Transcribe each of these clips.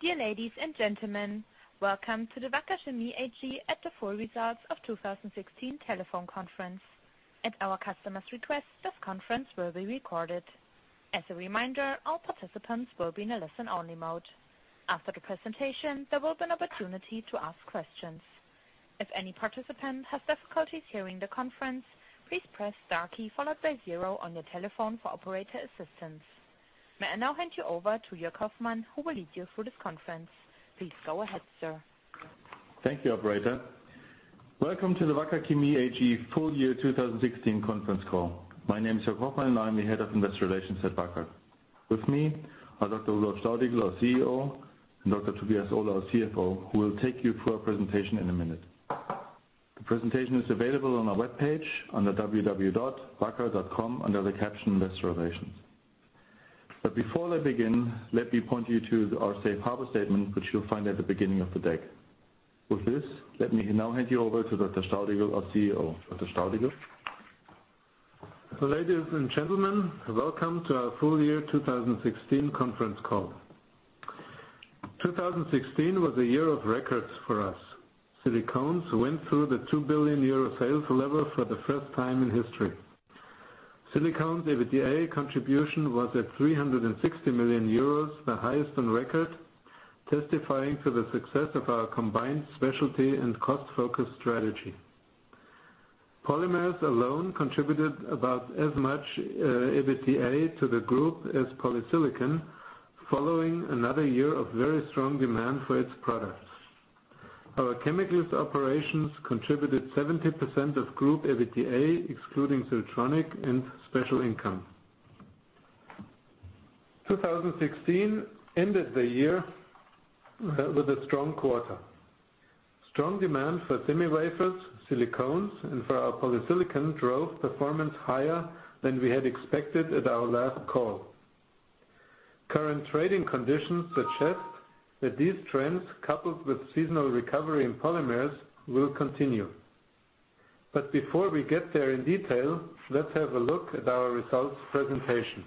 Dear ladies and gentlemen, welcome to the Wacker Chemie AG at the full results of 2016 telephone conference. At our customer's request, this conference will be recorded. As a reminder, all participants will be in a listen-only mode. After the presentation, there will be an opportunity to ask questions. If any participant has difficulties hearing the conference, please press star key followed by zero on your telephone for operator assistance. May I now hand you over to Joerg Hoffmann, who will lead you through this conference. Please go ahead, sir. Thank you, operator. Welcome to the Wacker Chemie AG full year 2016 conference call. My name is Joerg Hoffmann, and I'm the Head of Investor Relations at Wacker. With me are Dr. Rudolf Staudigl, our CEO, and Dr. Tobias Ohler, our CFO, who will take you through our presentation in a minute. The presentation is available on our webpage under wacker.com under the caption, Investor Relations. Before they begin, let me point you to our safe harbor statement, which you'll find at the beginning of the deck. With this, let me now hand you over to Dr. Staudigl, our CEO. Dr. Staudigl. Ladies and gentlemen, welcome to our full year 2016 conference call. 2016 was a year of records for us. Silicones went through the 2 billion euro sales level for the first time in history. Silicones EBITDA contribution was at 360 million euros, the highest on record, testifying to the success of our combined specialty and cost-focused strategy. Polymers alone contributed about as much EBITDA to the group as polysilicon following another year of very strong demand for its products. Our chemicals operations contributed 70% of group EBITDA excluding Siltronic and special income. 2016 ended the year with a strong quarter. Strong demand for semi wafers, silicones, and for our polysilicon drove performance higher than we had expected at our last call. Current trading conditions suggest that these trends, coupled with seasonal recovery in polymers, will continue. Before we get there in detail, let's have a look at our results presentation.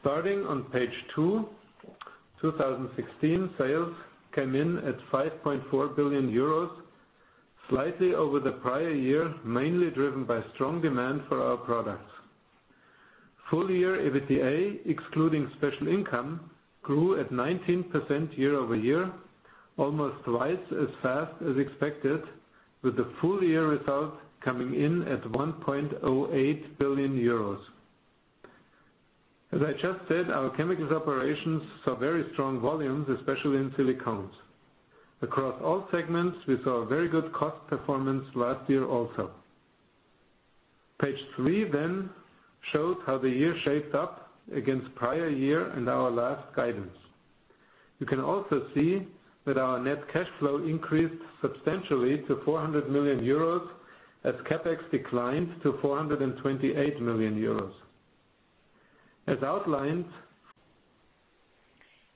Starting on page two, 2016 sales came in at 5.4 billion euros, slightly over the prior year, mainly driven by strong demand for our products. Full year EBITDA, excluding special income, grew at 19% year-over-year, almost twice as fast as expected, with the full year result coming in at 1.08 billion euros. As I just said, our chemicals operations saw very strong volumes, especially in silicones. Across all segments, we saw very good cost performance last year also. Page three shows how the year shaped up against prior year and our last guidance. You can also see that our net cash flow increased substantially to 400 million euros as CapEx declined to 428 million euros. As outlined-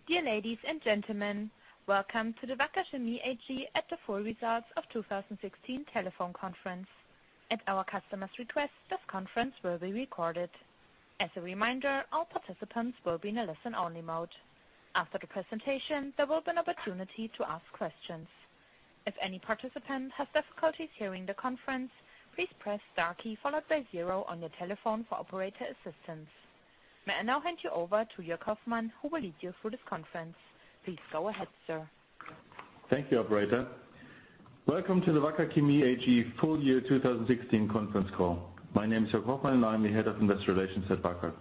Dear ladies and gentlemen, welcome to the Wacker Chemie AG at the full results of 2016 telephone conference. At our customer's request, this conference will be recorded. As a reminder, all participants will be in a listen-only mode. After the presentation, there will be an opportunity to ask questions. If any participant has difficulties hearing the conference, please press star key followed by zero on your telephone for operator assistance. May I now hand you over to Joerg Hoffmann, who will lead you through this conference. Please go ahead, sir. Thank you, operator. Welcome to the Wacker Chemie AG full year 2016 conference call. My name is Joerg Hoffmann, and I'm the Head of Investor Relations at Wacker.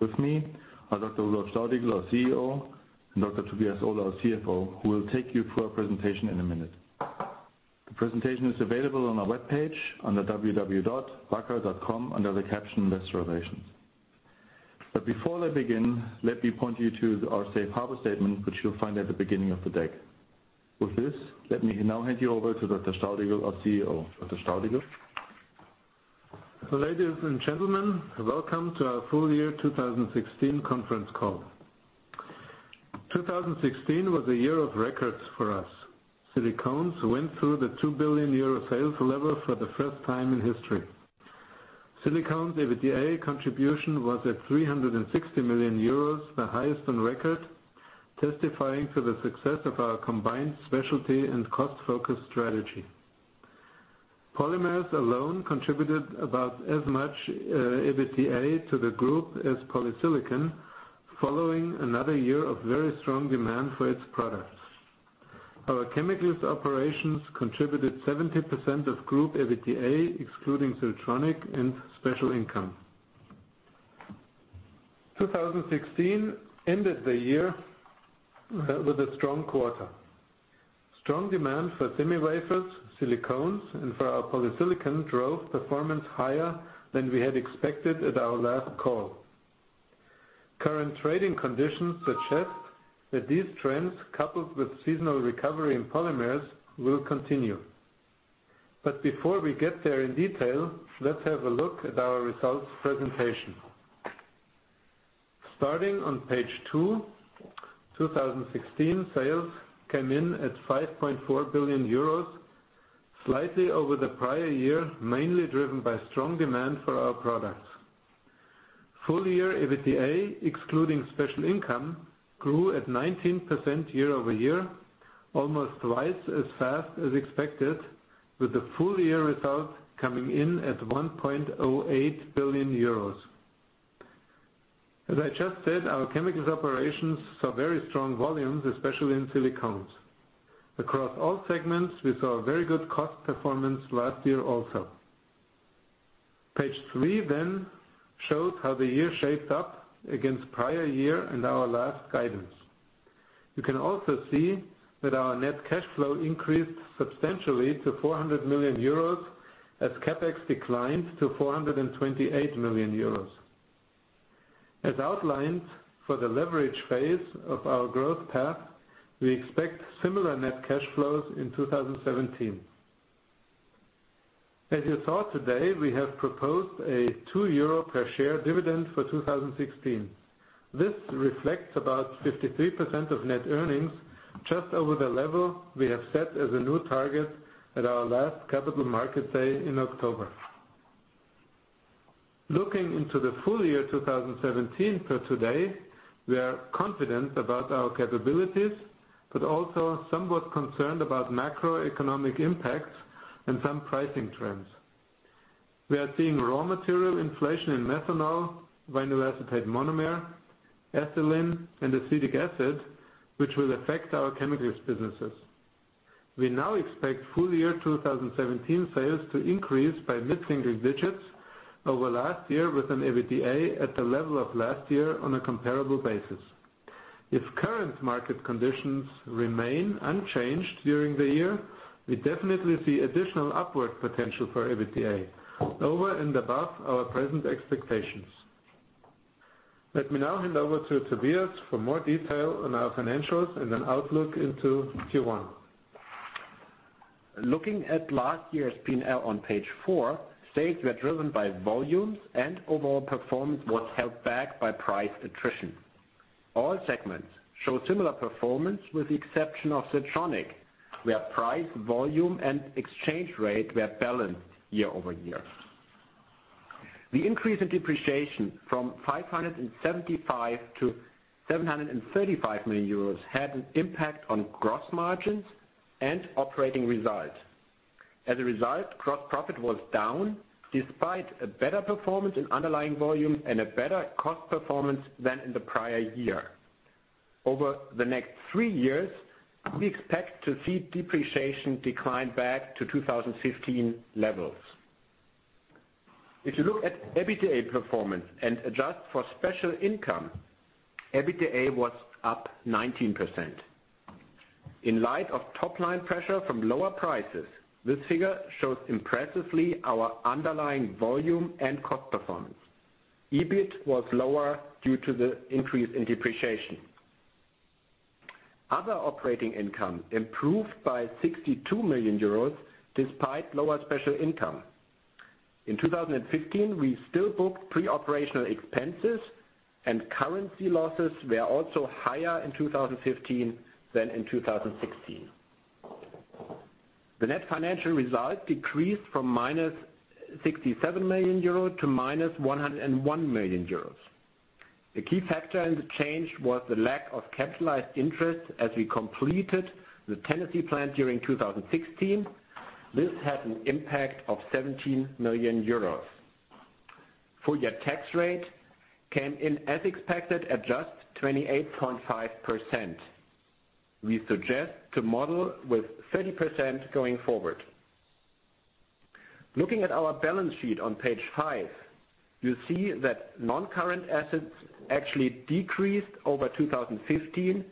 With me are Dr. Rudolf Staudigl, our CEO, and Dr. Tobias Ohler, our CFO, who will take you through our presentation in a minute. The presentation is available on our webpage under wacker.com under the caption, Investor Relations. Before they begin, let me point you to our safe harbor statement, which you'll find at the beginning of the deck. With this, let me now hand you over to Dr. Staudigl, our CEO. Dr. Staudigl. Ladies and gentlemen, welcome to our full year 2016 conference call. 2016 was a year of records for us. Silicones went through the 2 billion euro sales level for the first time in history. Silicones EBITDA contribution was at 360 million euros, the highest on record, testifying to the success of our combined specialty and cost-focused strategy. Polymers alone contributed about as much EBITDA to the group as polysilicon following another year of very strong demand for its products. Our chemicals operations contributed 70% of group EBITDA excluding Siltronic and special income. 2016 ended the year with a strong quarter. Strong demand for semiwafers, silicones, and for our polysilicon drove performance higher than we had expected at our last call. Current trading conditions suggest that these trends, coupled with seasonal recovery in polymers, will continue. Before we get there in detail, let's have a look at our results presentation. Starting on page two, 2016 sales came in at 5.4 billion euros. Slightly over the prior year, mainly driven by strong demand for our products. Full year EBITDA, excluding special income, grew at 19% year-over-year, almost twice as fast as expected, with the full year results coming in at 1.08 billion euros. As I just said, our chemicals operations saw very strong volumes, especially in silicones. Across all segments, we saw very good cost performance last year also. Page three shows how the year shaped up against prior year and our last guidance. You can also see that our net cash flow increased substantially to 400 million euros as CapEx declined to 428 million euros. As outlined for the leverage phase of our growth path, we expect similar net cash flows in 2017. As you saw today, we have proposed a 2 euro per share dividend for 2016. This reflects about 53% of net earnings, just over the level we have set as a new target at our last Capital Markets Day in October. Looking into the full year 2017 per today, we are confident about our capabilities, but also somewhat concerned about macroeconomic impacts and some pricing trends. We are seeing raw material inflation in methanol, vinyl acetate monomer, ethylene, and acetic acid, which will affect our chemicals businesses. We now expect full year 2017 sales to increase by mid-single digits over last year, with an EBITDA at the level of last year on a comparable basis. If current market conditions remain unchanged during the year, we definitely see additional upward potential for EBITDA over and above our present expectations. Let me now hand over to Tobias for more detail on our financials and an outlook into Q1. Looking at last year's P&L on page four, sales were driven by volumes and overall performance was held back by price attrition. All segments show similar performance with the exception of Siltronic, where price, volume, and exchange rate were balanced year-over-year. The increase in depreciation from 575 million to 735 million euros had an impact on gross margins and operating results. As a result, gross profit was down despite a better performance in underlying volume and a better cost performance than in the prior year. Over the next three years, we expect to see depreciation decline back to 2015 levels. If you look at EBITDA performance and adjust for special income, EBITDA was up 19%. In light of top-line pressure from lower prices, this figure shows impressively our underlying volume and cost performance. EBIT was lower due to the increase in depreciation. Other operating income improved by 62 million euros despite lower special income. In 2015, we still booked pre-operational expenses and currency losses were also higher in 2015 than in 2016. The net financial result decreased from minus 67 million euro to minus 101 million euros. The key factor in the change was the lack of capitalized interest as we completed the Tennessee plant during 2016. This had an impact of 17 million euros. Full year tax rate came in as expected at just 28.5%. We suggest to model with 30% going forward. Looking at our balance sheet on page five, you see that non-current assets actually decreased over 2015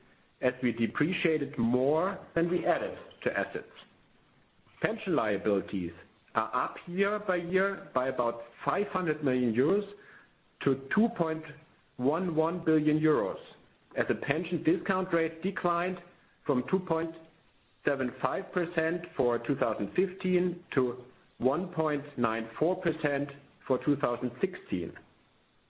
as we depreciated more than we added to assets. Pension liabilities are up year by year by about 500 million euros to 2.11 billion euros, as the pension discount rate declined from 2.75% for 2015 to 1.94% for 2016.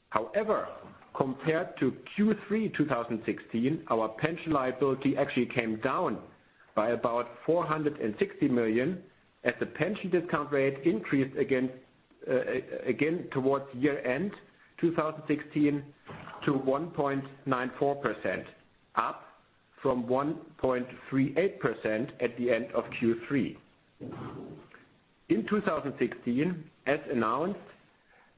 However, compared to Q3 2016, our pension liability actually came down by about 460 million, as the pension discount rate increased again towards year end 2016 to 1.94%, up from 1.38% at the end of Q3. In 2016, as announced,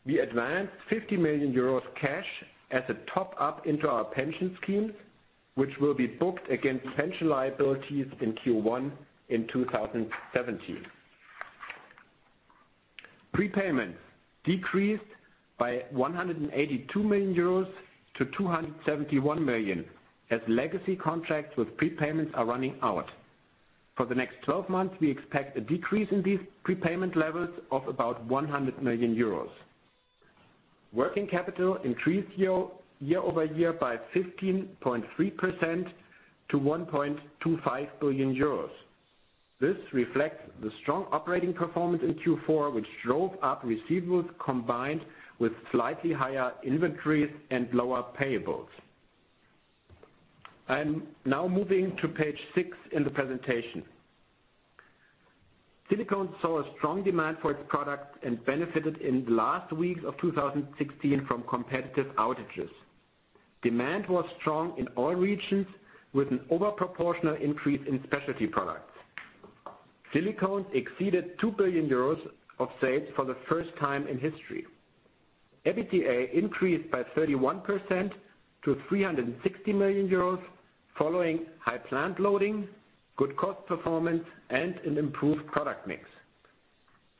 we advanced 50 million euros cash as a top-up into our pension scheme, which will be booked against pension liabilities in Q1 in 2017. Prepayments decreased by 182 million euros to 271 million as legacy contracts with prepayments are running out. For the next 12 months, we expect a decrease in these prepayment levels of about 100 million euros. Working capital increased year-over-year by 15.3% to 1.25 billion euros. This reflects the strong operating performance in Q4, which drove up receivables combined with slightly higher inventories and lower payables. I'm now moving to page six in the presentation. Silicones saw a strong demand for its products and benefited in the last weeks of 2016 from competitive outages. Demand was strong in all regions, with an overproportional increase in specialty products. Silicones exceeded 2 billion euros of sales for the first time in history. EBITDA increased by 31% to 360 million euros following high plant loading, good cost performance, and an improved product mix.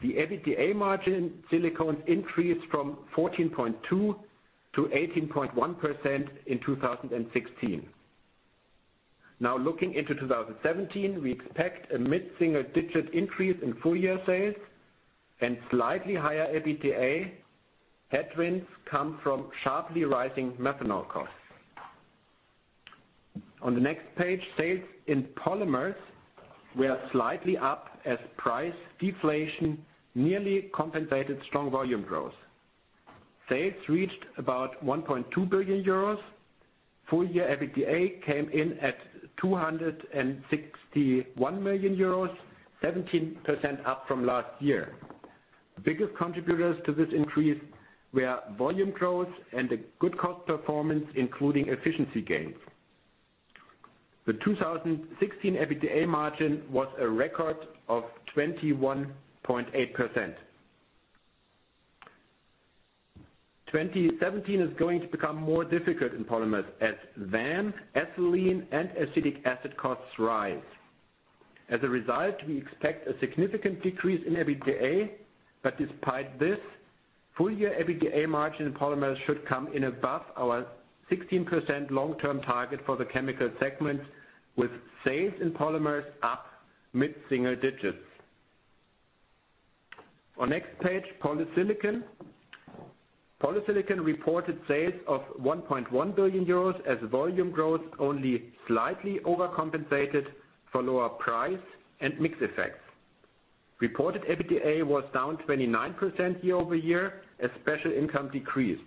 The EBITDA margin Silicones increased from 14.2% to 18.1% in 2016. Looking into 2017, we expect a mid-single digit increase in full-year sales and slightly higher EBITDA. Headwinds come from sharply rising methanol costs. On the next page, sales in Polymers were slightly up as price deflation nearly compensated strong volume growth. Sales reached about 1.2 billion euros. Full-year EBITDA came in at 261 million euros, 17% up from last year. The biggest contributors to this increase were volume growth and a good cost performance, including efficiency gains. The 2016 EBITDA margin was a record of 21.8%. 2017 is going to become more difficult in Polymers as VAM, ethylene, and acetic acid costs rise. We expect a significant decrease in EBITDA, but despite this, full-year EBITDA margin in Polymers should come in above our 16% long-term target for the chemical segment, with sales in Polymers up mid-single digits. On next page, Polysilicon. Polysilicon reported sales of 1.1 billion euros as volume growth only slightly overcompensated for lower price and mix effects. Reported EBITDA was down 29% year-over-year as special income decreased.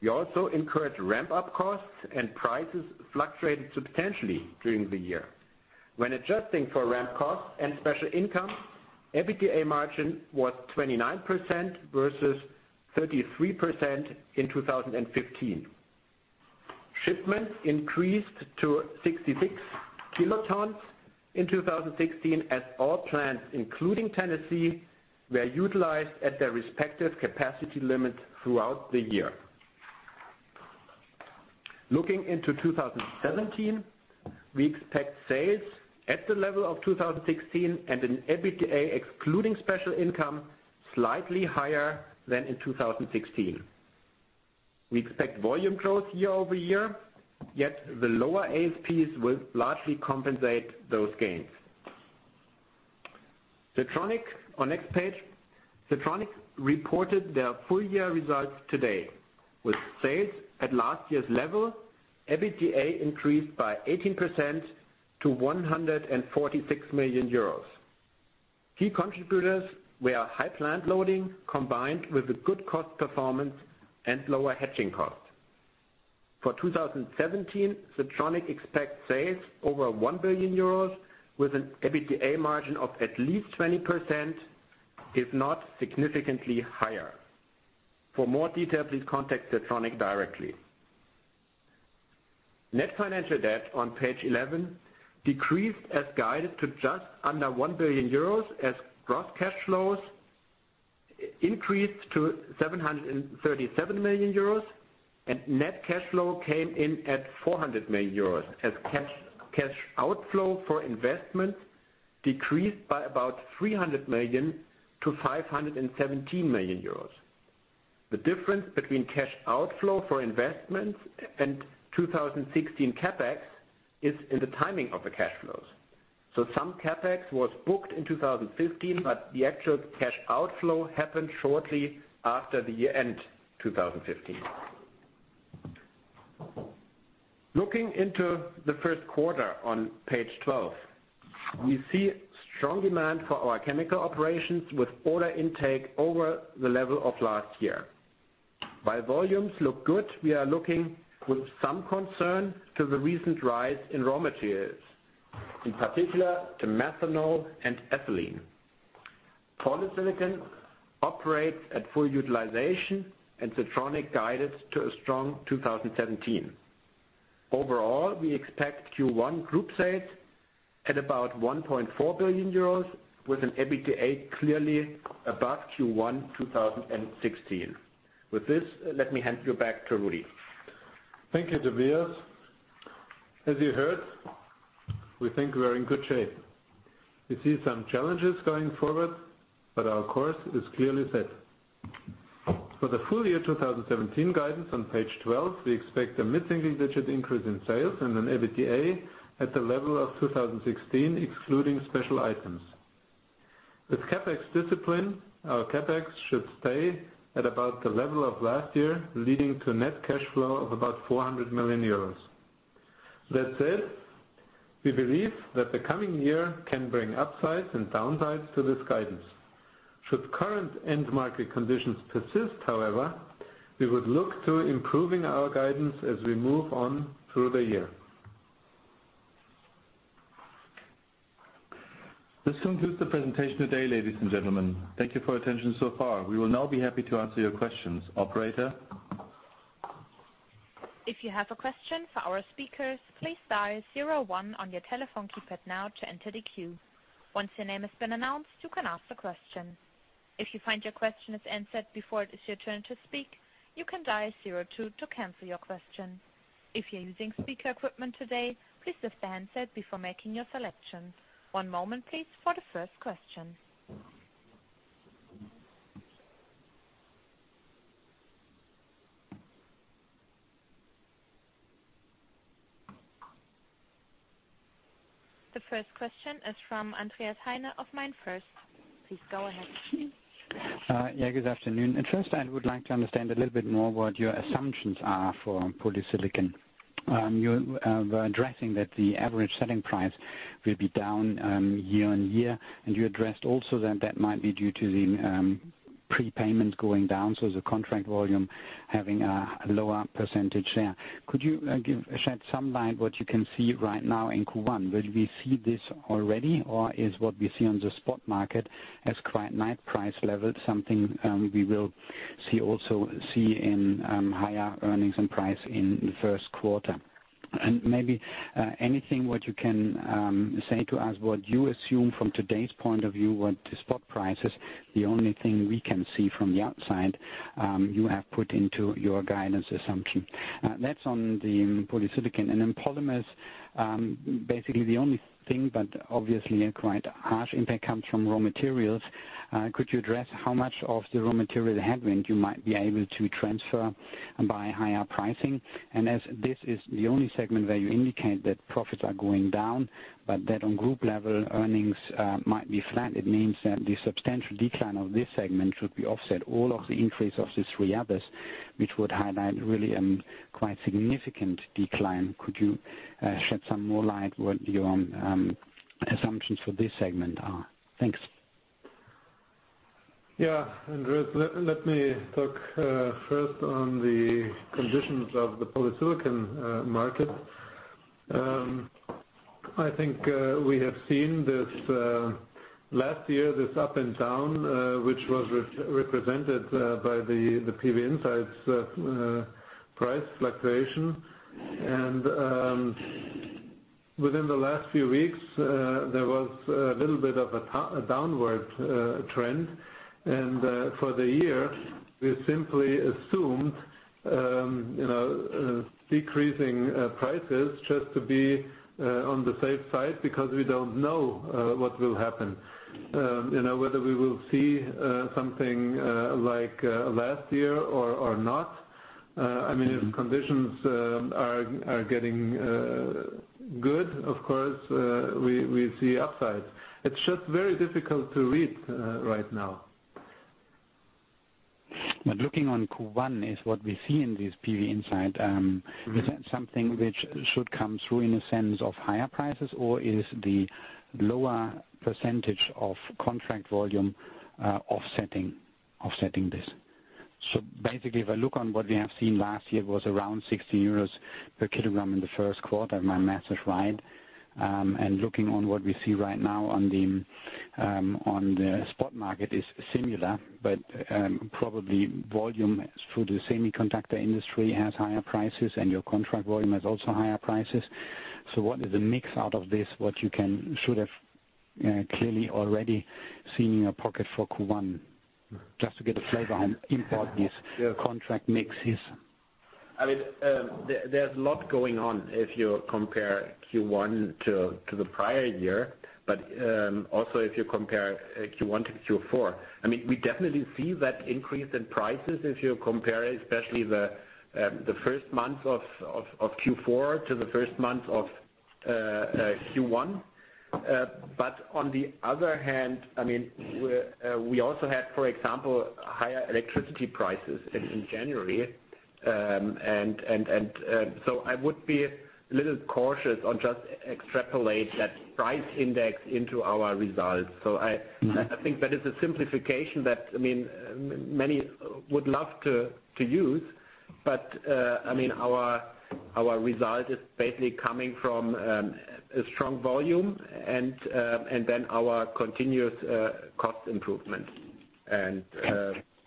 We also incurred ramp-up costs and prices fluctuated substantially during the year. When adjusting for ramp costs and special income, EBITDA margin was 29% versus 33% in 2015. Shipments increased to 66 kilotons in 2016 as all plants, including Tennessee, were utilized at their respective capacity limits throughout the year. Looking into 2017, we expect sales at the level of 2016 and an EBITDA excluding special income slightly higher than in 2016. We expect volume growth year-over-year, yet the lower ASPs will largely compensate those gains. Siltronic on next page. Siltronic reported their full-year results today with sales at last year's level. EBITDA increased by 18% to 146 million euros. Key contributors were high plant loading combined with a good cost performance and lower hedging costs. For 2017, Siltronic expects sales over 1 billion euros with an EBITDA margin of at least 20%, if not significantly higher. For more details, please contact Siltronic directly. Net financial debt on page 11 decreased as guided to just under 1 billion euros as gross cash flows increased to 737 million euros and net cash flow came in at 400 million euros as cash outflow for investments decreased by about 300 million to 517 million euros. The difference between cash outflow for investments and 2016 CapEx is in the timing of the cash flows. Some CapEx was booked in 2015, but the actual cash outflow happened shortly after the year-end 2015. Looking into the first quarter on page 12, we see strong demand for our chemical operations with order intake over the level of last year. While volumes look good, we are looking with some concern to the recent rise in raw materials, in particular to methanol and ethylene. Polysilicon operates at full utilization and Siltronic guided to a strong 2017. We expect Q1 group sales at about 1.4 billion euros with an EBITDA clearly above Q1 2016. With this, let me hand you back to Rudi. Thank you, Tobias. As you heard, we think we're in good shape. We see some challenges going forward, but our course is clearly set. For the full year 2017 guidance on page 12, we expect a mid-single-digit increase in sales and an EBITDA at the level of 2016, excluding special items. With CapEx discipline, our CapEx should stay at about the level of last year, leading to net cash flow of about 400 million euros. That said, we believe that the coming year can bring upsides and downsides to this guidance. Should current end market conditions persist, however, we would look to improving our guidance as we move on through the year. This concludes the presentation today, ladies and gentlemen. Thank you for your attention so far. We will now be happy to answer your questions. Operator? If you have a question for our speakers, please dial zero one on your telephone keypad now to enter the queue. Once your name has been announced, you can ask the question. If you find your question is answered before it is your turn to speak, you can dial zero two to cancel your question. If you're using speaker equipment today, please lift the handset before making your selections. One moment, please, for the first question. The first question is from Andreas Heine of MainFirst. Please go ahead. Yeah. Good afternoon. First, I would like to understand a little bit more what your assumptions are for polysilicon. You were addressing that the average selling price will be down year-on-year, and you addressed also that that might be due to the prepayment going down, so the contract volume having a lower percentage there. Could you shed some light what you can see right now in Q1? Will we see this already, or is what we see on the spot market as quite price leveled something we will also see in higher earnings and price in the first quarter? Maybe anything what you can say to us, what you assume from today's point of view, what the spot price is, the only thing we can see from the outside, you have put into your guidance assumption. That's on the polysilicon. Then polymers, basically the only thing, obviously a quite harsh impact comes from raw materials. Could you address how much of the raw material headwind you might be able to transfer by higher pricing? As this is the only segment where you indicate that profits are going down, but that on group level earnings might be flat, it means that the substantial decline of this segment should be offset all of the increase of the three others, which would highlight really a quite significant decline. Could you shed some more light what your own assumptions for this segment are? Thanks. Yeah. Andreas, let me talk first on the conditions of the polysilicon market. I think we have seen this last year, this up and down, which was represented by the PVinsights price fluctuation. Within the last few weeks, there was a little bit of a downward trend. For the year, we simply assumed decreasing prices just to be on the safe side because we don't know what will happen. Whether we will see something like last year or not. If conditions are getting good, of course, we see upsides. It's just very difficult to read right now. Looking on Q1 is what we see in this PVinsights. Is that something which should come through in a sense of higher prices, or is the lower percentage of contract volume offsetting this? Basically, if I look on what we have seen last year was around 60 euros per kilogram in the first quarter, if my math is right. Looking on what we see right now on the spot market is similar, but probably volume through the semiconductor industry has higher prices and your contract volume has also higher prices. What is the mix out of this, what you should have clearly already seen in your pocket for Q1, just to get a flavor on impact this contract mix is. There's a lot going on if you compare Q1 to the prior year, also if you compare Q1 to Q4. We definitely see that increase in prices if you compare especially the first month of Q4 to the first month of Q1. On the other hand, we also had, for example, higher electricity prices in January. I would be a little cautious on just extrapolate that price index into our results. I think that is a simplification that many would love to use. Our result is basically coming from a strong volume and then our continuous cost improvement.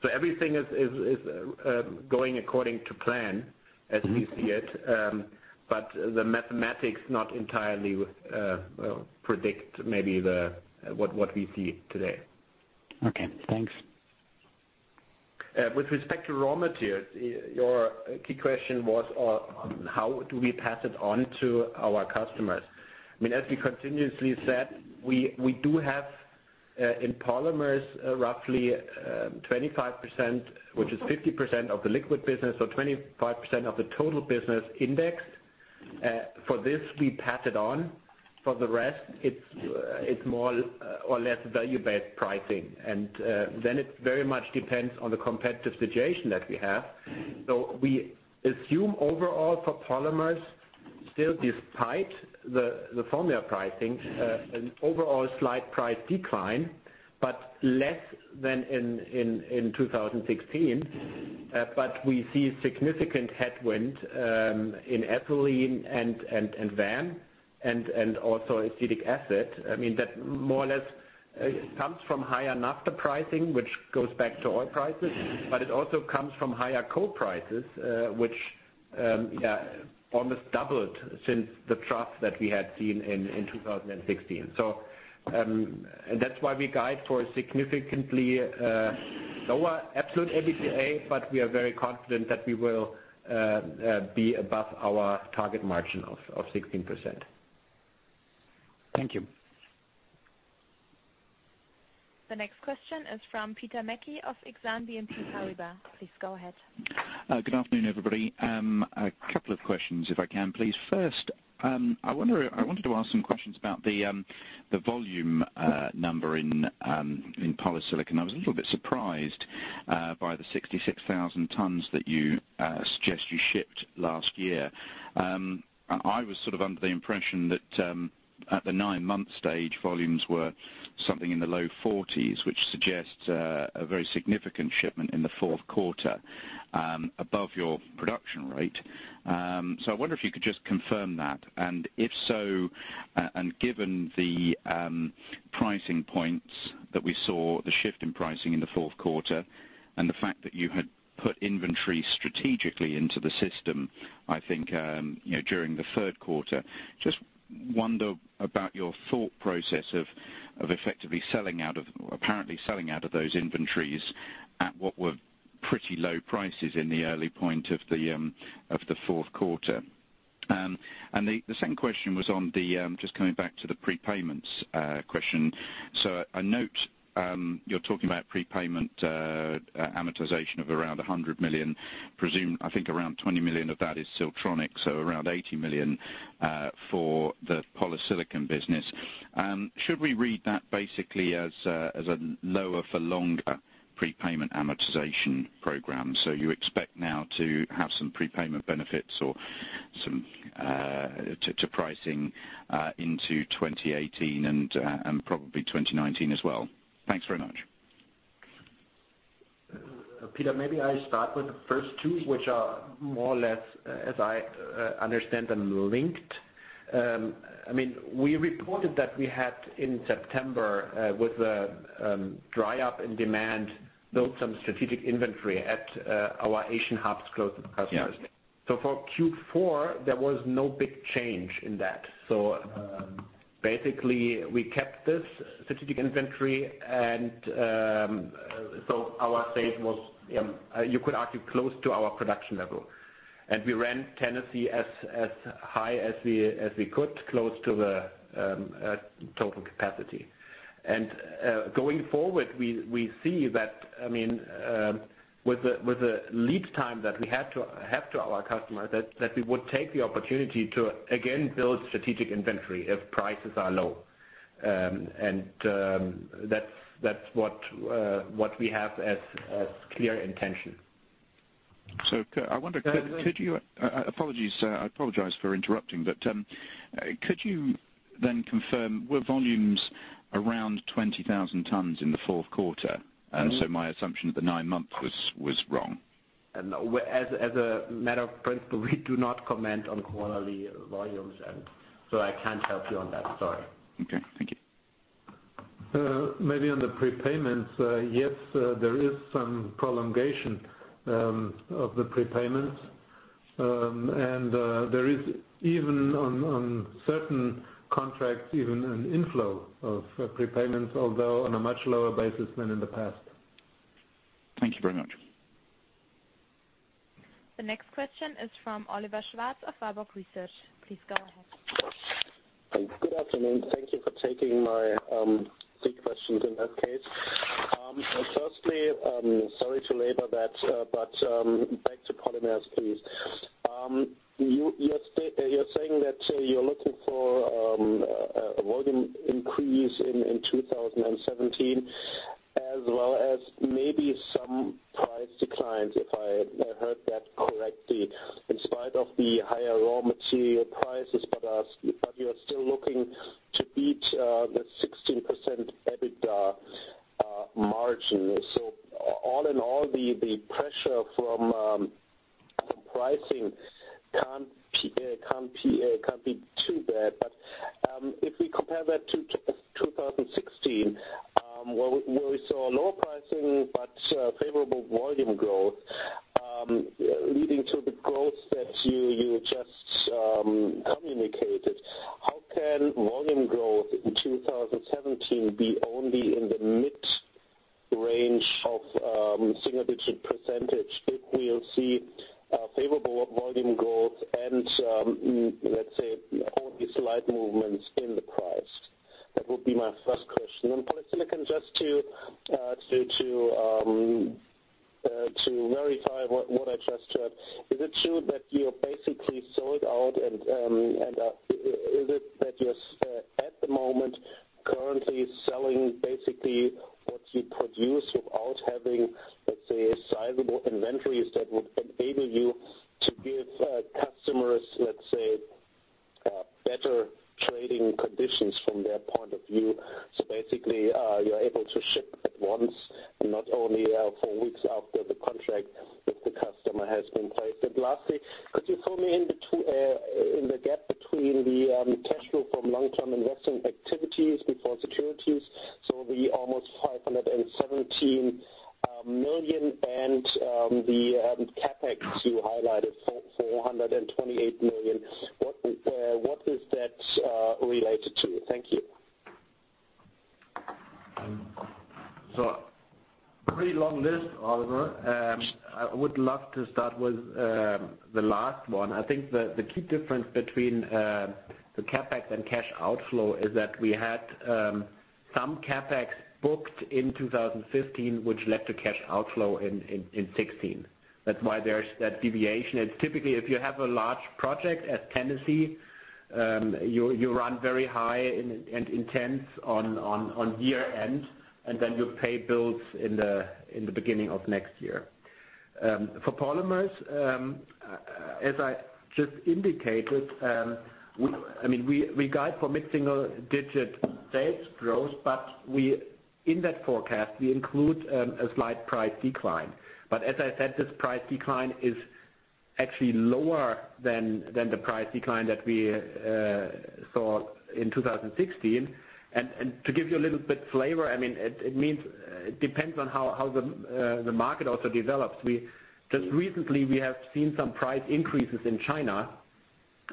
Everything is going according to plan as we see it. The mathematics not entirely predict maybe what we see today. Okay. Thanks. With respect to raw materials, your key question was on how do we pass it on to our customers. As we continuously said, we do have in polymers roughly 25%, which is 50% of the liquid business or 25% of the total business indexed. For this, we pass it on. For the rest, it's more or less value-based pricing. Then it very much depends on the competitive situation that we have. We assume overall for polymers Still despite the formula pricing, an overall slight price decline, but less than in 2016. We see significant headwind in ethylene and VAM, and also acetic acid. That more or less comes from higher naphtha pricing, which goes back to oil prices, but it also comes from higher coal prices, which almost doubled since the trough that we had seen in 2016. That's why we guide for a significantly lower absolute EBITDA, but we are very confident that we will be above our target margin of 16%. Thank you. The next question is from Peter Mackey of Exane BNP Paribas. Please go ahead. Good afternoon, everybody. A couple of questions if I can, please. First, I wanted to ask some questions about the volume number in polysilicon. I was a little bit surprised by the 66,000 tons that you suggest you shipped last year. I was sort of under the impression that at the nine-month stage, volumes were something in the low 40s, which suggests a very significant shipment in the fourth quarter above your production rate. I wonder if you could just confirm that, if so, given the pricing points that we saw, the shift in pricing in the fourth quarter, and the fact that you had put inventory strategically into the system, I think, during the third quarter. Just wonder about your thought process of effectively apparently selling out of those inventories at what were pretty low prices in the early point of the fourth quarter. The second question was just coming back to the prepayments question. I note you're talking about prepayment amortization of around 100 million. I think around 20 million of that is Siltronic, so around 80 million for the polysilicon business. Should we read that basically as a lower for longer prepayment amortization program? You expect now to have some prepayment benefits or some to pricing into 2018 and probably 2019 as well. Thanks very much. Peter, maybe I start with the first two, which are more or less, as I understand them, linked. We reported that we had, in September, with the dry up in demand, built some strategic inventory at our Asian hubs close to the customers. Yeah. For Q4, there was no big change in that. Basically we kept this strategic inventory and our save was, you could argue, close to our production level. We ran Tennessee as high as we could, close to the total capacity. Going forward, we see that with the lead time that we have to our customer, that we would take the opportunity to again build strategic inventory if prices are low. That's what we have as clear intention. I wonder, could you Apologies. I apologize for interrupting, could you confirm, were volumes around 20,000 tons in the fourth quarter? My assumption of the nine months was wrong. As a matter of principle, we do not comment on quarterly volumes. I can't help you on that. Sorry. Okay. Thank you. Maybe on the prepayments, yes, there is some prolongation of the prepayments. There is, even on certain contracts, even an inflow of prepayments, although on a much lower basis than in the past. Thank you very much. The next question is from Oliver Schwarz of Warburg Research. Please go ahead. Good afternoon. Thank you for taking my three questions in that case. Firstly, sorry to labor that, but back to polymers, please. You're saying that you're looking for a volume increase in 2017, as well as maybe some price declines, if I heard that correctly, in spite of the higher raw material prices, but you're still looking to beat the 16% EBITDA margin. All in all, the pressure from pricing can't be too bad. If we compare that to 2016, where we saw lower pricing but favorable volume growth, leading to the growth that you just communicated. How can volume growth in 2017 be only in the mid range of single-digit percentage if we'll see favorable volume growth and, let's say, only slight movements in the price? That would be my first question. Polysilicon, just to verify what I just heard. Is it true that you're basically sold out and is it that you're at the moment currently selling basically what you produce without having, let's say, sizable inventories that would enable you to give customers, let's say, better trading conditions from their point of view. Basically, you're able to ship at once, not only four weeks after the contract with the customer has been placed. Lastly, could you tell me in the gap between the cash flow from long-term investment activities before securities, the almost 517 million and the CapEx you highlighted, 428 million, what is that related to? Thank you. pretty long list, Oliver. I would love to start with the last one. I think the key difference between the CapEx and cash outflow is that we had some CapEx booked in 2015, which led to cash outflow in 2016. That's why there's that deviation. It's typically, if you have a large project at Tennessee, you run very high and intense on year-end, and then you pay bills in the beginning of next year. For polymers, as I just indicated, we guide for mid-single-digit sales growth, but in that forecast, we include a slight price decline. As I said, this price decline is actually lower than the price decline that we saw in 2016. To give you a little bit flavor, it depends on how the market also develops. Just recently, we have seen some price increases in China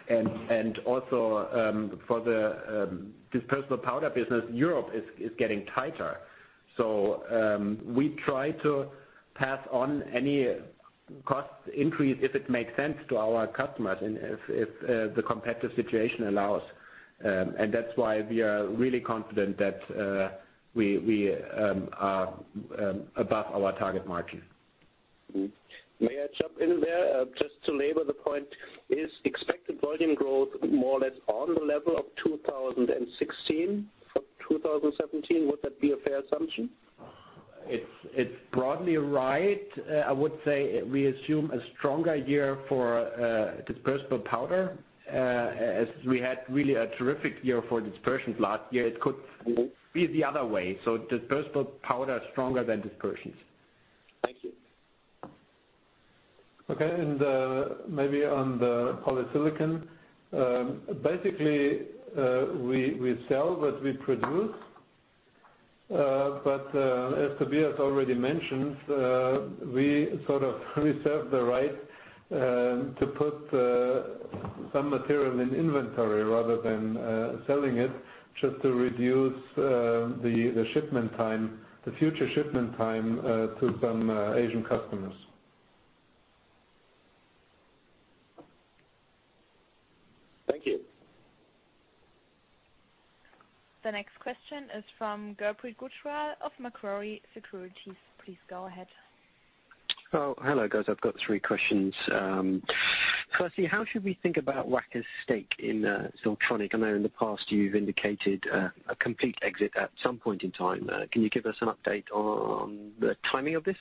and also, for the dispersible powder business, Europe is getting tighter. We try to pass on any cost increase if it makes sense to our customers and if the competitive situation allows. That's why we are really confident that we are above our target margin. May I jump in there? Just to labor the point, is expected volume growth more or less on the level of 2016 for 2017? Would that be a fair assumption? It's broadly right. I would say we assume a stronger year for dispersible powder. As we had really a terrific year for dispersions last year, it could be the other way. dispersible powder is stronger than dispersions. Thank Thank you. The next question is from Gurpreet Gujral of Macquarie Securities. Please go ahead. Hello, guys. I've got three questions. Firstly, how should we think about Wacker's stake in Siltronic? I know in the past you've indicated a complete exit at some point in time. Can you give us an update on the timing of this?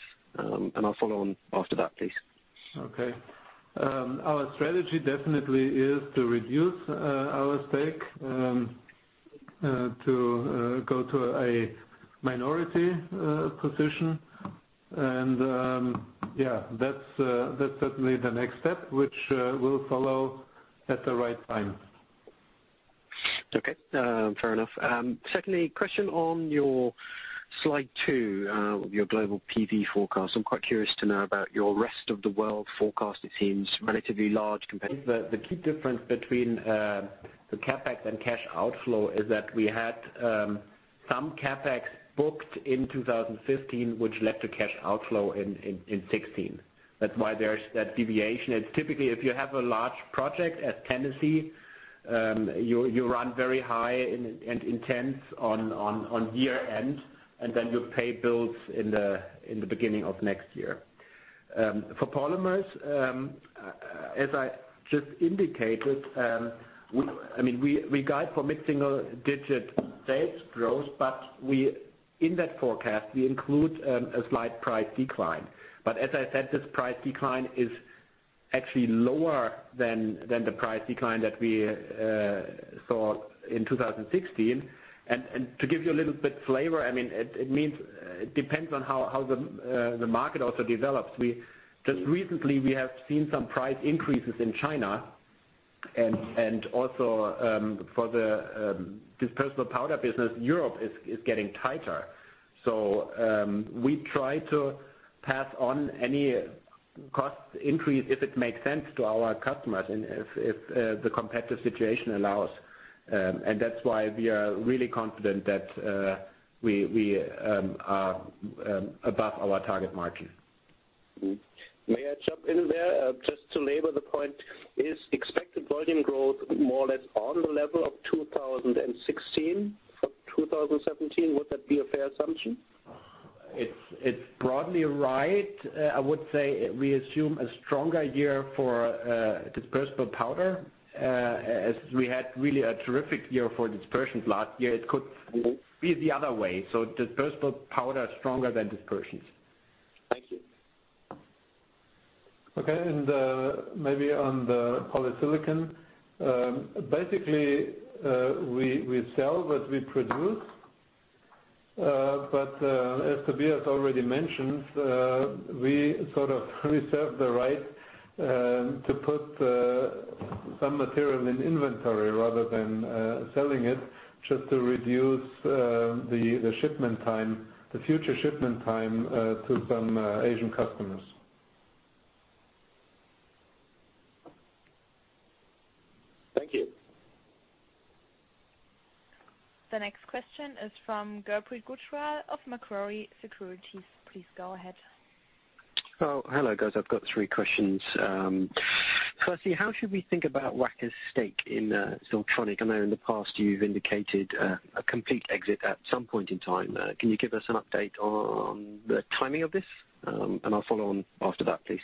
I'll follow on after that, please.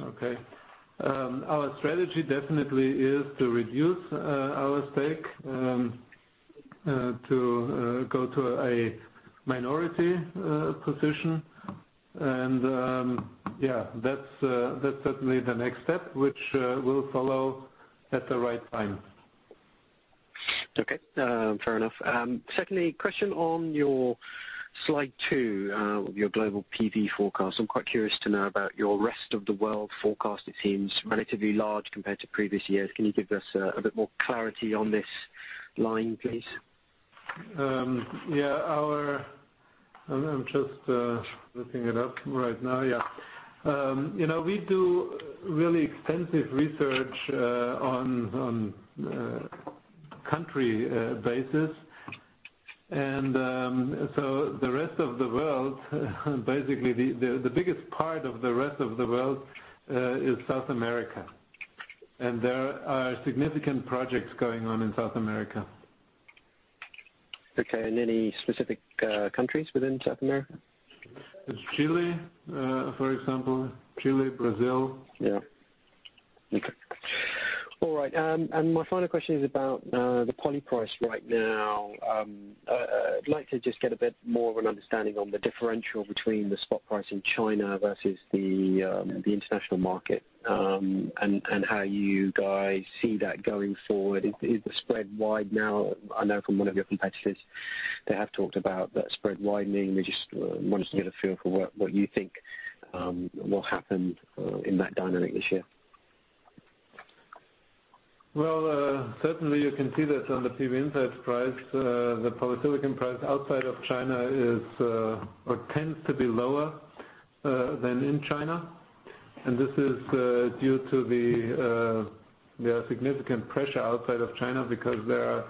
Okay. Our strategy definitely is to reduce our stake, to go to a minority position. Yeah, that's certainly the next step, which we'll follow at the right time. Okay. Fair enough. Secondly, question on your slide two, your global PV forecast. I'm quite curious to know about your rest-of-the-world forecast. It seems relatively large compared to previous years. Can you give us a bit more clarity on this line, please? Yeah. I'm just looking it up right now. Yeah. We do really extensive research on country basis. The rest of the world, basically, the biggest part of the rest of the world is South America, and there are significant projects going on in South America. Okay. Any specific countries within South America? Chile, for example. Chile, Brazil. Yeah. Okay. All right. My final question is about the poly price right now. I'd like to just get a bit more of an understanding on the differential between the spot price in China versus the international market, and how you guys see that going forward. Is the spread wide now? I know from one of your competitors, they have talked about that spread widening. We just wanted to get a feel for what you think will happen in that dynamic this year. Well, certainly you can see that on the PVinsights price. The polysilicon price outside of China tends to be lower than in China. This is due to the significant pressure outside of China because there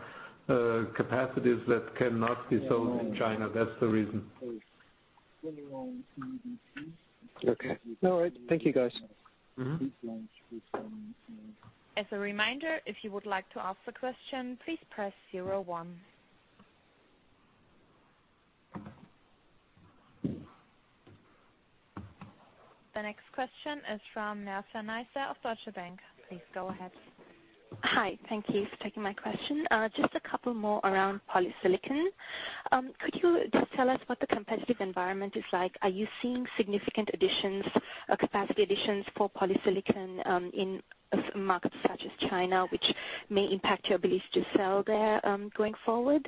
are capacities that cannot be sold in China. That's the reason. Okay. All right. Thank you, guys. As a reminder, if you would like to ask a question, please press zero one. The next question is from Georgina Iwamoto of Deutsche Bank. Please go ahead. Hi. Thank you for taking my question. Just a couple more around polysilicon. Could you just tell us what the competitive environment is like? Are you seeing significant additions or capacity additions for polysilicon in markets such as China, which may impact your ability to sell there, going forward?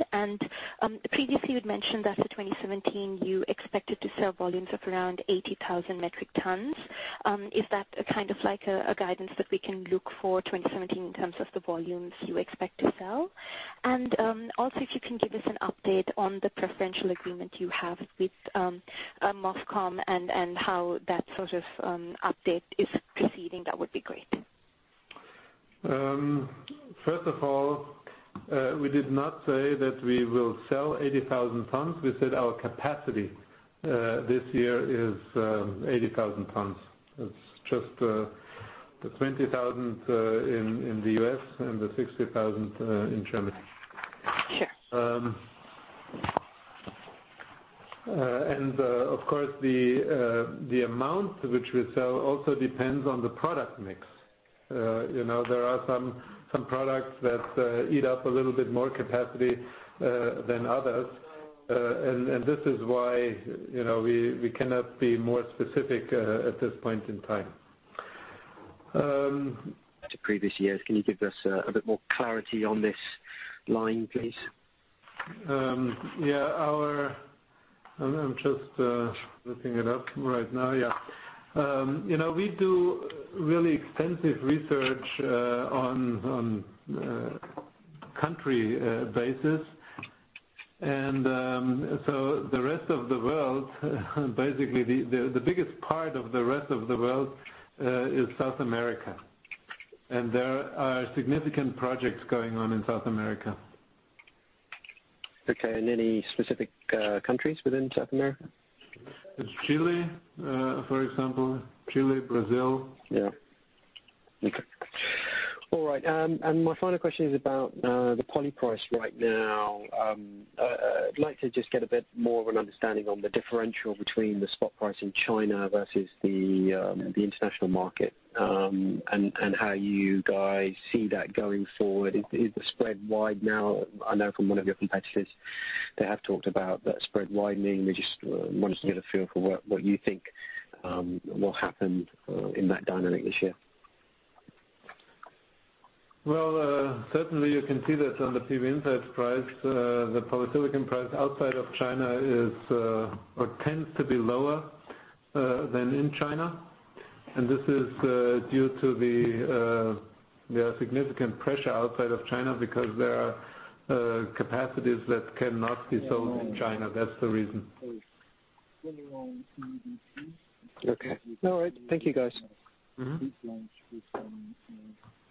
Previously you'd mentioned that for 2017, you expected to sell volumes of around 80,000 metric tons. Is that a kind of like a guidance that we can look for 2017 in terms of the volumes you expect to sell? Also, if you can give us an update on the preferential agreement you have with MOFCOM and how that sort of update is proceeding, that would be great. First of all, we did not say that we will sell 80,000 tons. We said our capacity this year is 80,000 tons. It's just the 20,000 in the U.S. and the 60,000 in Germany. Sure. Of course, the amount which we sell also depends on the product mix. There are some products that eat up a little bit more capacity than others. This is why we cannot be more specific at this point in time. To previous years. Can you give us a bit more clarity on this line, please? Yeah. I'm just looking it up right now. Yeah. We do really extensive research on country basis. The rest of the world, basically, the biggest part of the rest of the world is South America, and there are significant projects going on in South America. Okay. Any specific countries within South America? Chile, for example. Chile, Brazil. Yeah. Okay. All right. My final question is about the polysilicon price right now. I'd like to just get a bit more of an understanding on the differential between the spot price in China versus the international market, and how you guys see that going forward. Is the spread wide now? I know from one of your competitors, they have talked about that spread widening. We just wanted to get a feel for what you think will happen in that dynamic this year. Certainly you can see that on the PVinsights price. The polysilicon price outside of China tends to be lower than in China. This is due to the significant pressure outside of China because there are capacities that cannot be sold in China. That's the reason. Okay. All right. Thank you, guys.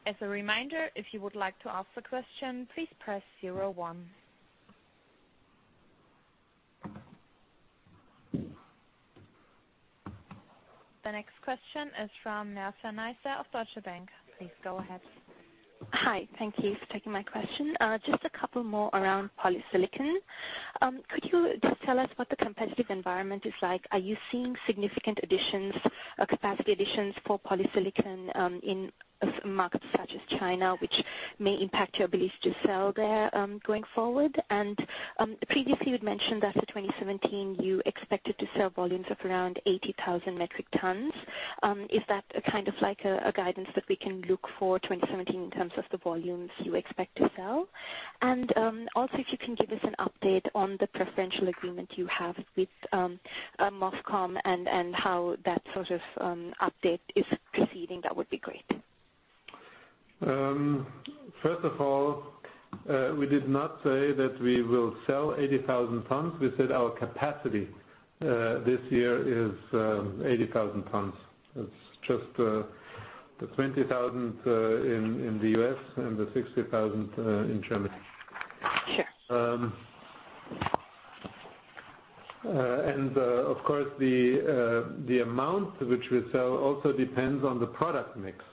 As a reminder, if you would like to ask a question, please press 01. The next question is from Georgina Iwamoto of Deutsche Bank. Please go ahead. Hi. Thank you for taking my question. Just a couple more around polysilicon. Could you just tell us what the competitive environment is like? Are you seeing significant capacity additions for polysilicon in markets such as China, which may impact your ability to sell there going forward? Previously you'd mentioned that for 2017 you expected to sell volumes of around 80,000 metric tons. Is that a kind of guidance that we can look for 2017 in terms of the volumes you expect to sell? Also if you can give us an update on the preferential agreement you have with MOFCOM and how that sort of update is proceeding, that would be great. First of all, we did not say that we will sell 80,000 tons. We said our capacity this year is 80,000 tons. It's just the 20,000 in the U.S. and the 60,000 in Germany. Sure. Of course, the amount which we sell also depends on the product mix.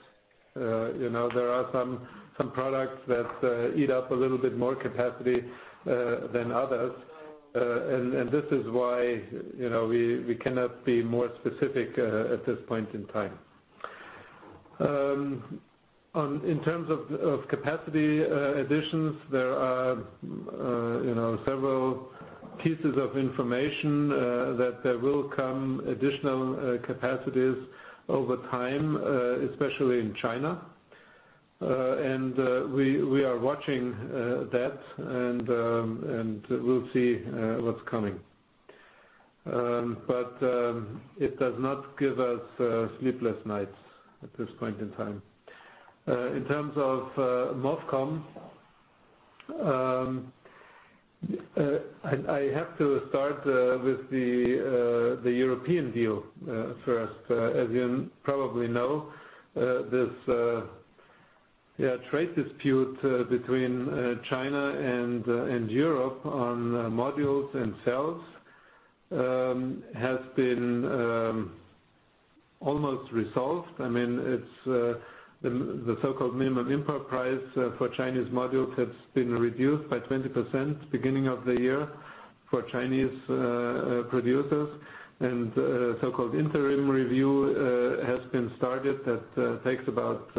There are some products that eat up a little bit more capacity than others. This is why we cannot be more specific at this point in time. In terms of capacity additions, there are several pieces of information that there will come additional capacities over time, especially in China. We are watching that, and we'll see what's coming. It does not give us sleepless nights at this point in time. In terms of MOFCOM, I have to start with the European deal first. As you probably know, this trade dispute between China and Europe on modules and cells has been almost resolved. I mean, the so-called minimum import price for Chinese modules has been reduced by 20% beginning of the year for Chinese producers. A so-called interim review has been started that takes about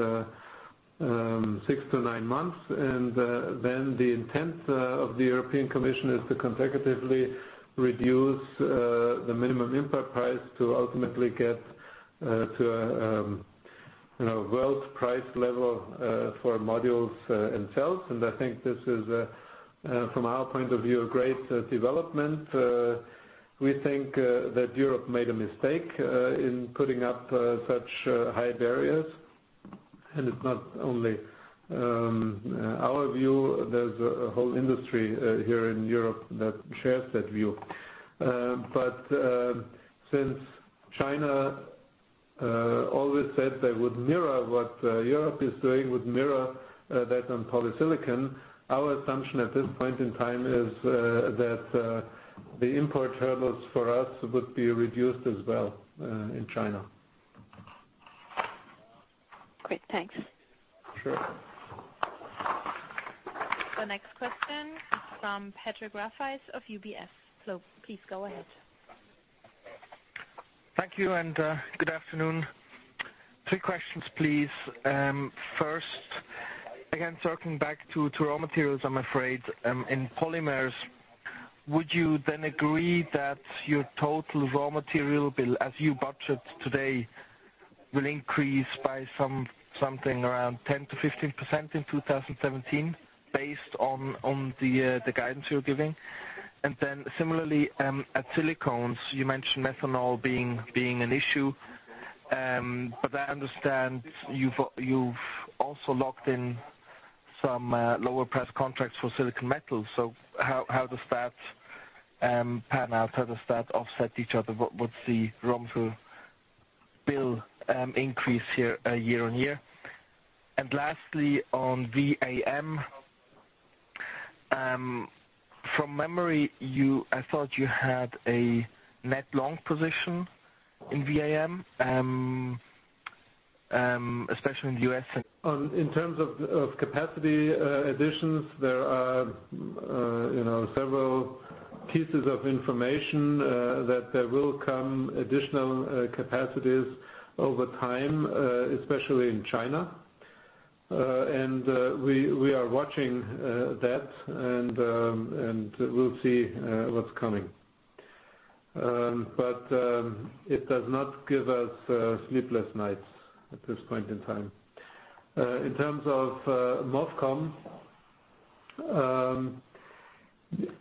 six to nine months. The intent of the European Commission is to consecutively reduce the minimum import price to ultimately get to a world price level for modules themselves. I think this is, from our point of view, a great development. We think that Europe made a mistake in putting up such high barriers. It's not only our view, there's a whole industry here in Europe that shares that view. Since China always said they would mirror what Europe is doing, would mirror that on polysilicon, our assumption at this point in time is that the import hurdles for us would be reduced as well in China. Great. Thanks. Sure. The next question is from Patrick Rafaisz of UBS. Please go ahead. Thank you, good afternoon. Three questions, please. First, again, circling back to raw materials, I'm afraid, in polymers, would you then agree that your total raw material bill, as you budget today, will increase by something around 10%-15% in 2017 based on the guidance you're giving? Similarly, at silicones, you mentioned methanol being an issue. I understand you've also locked in some lower price contracts for silicon metal. How does that pan out? How does that offset each other? What's the raw material bill increase here year-on-year? Lastly, on VAM. From memory, I thought you had a net long position in VAM, especially in the U.S. In terms of capacity additions, there are several pieces of information that there will come additional capacities over time, especially in China. We are watching that, we'll see what's coming. It does not give us sleepless nights at this point in time. In terms of MOFCOM,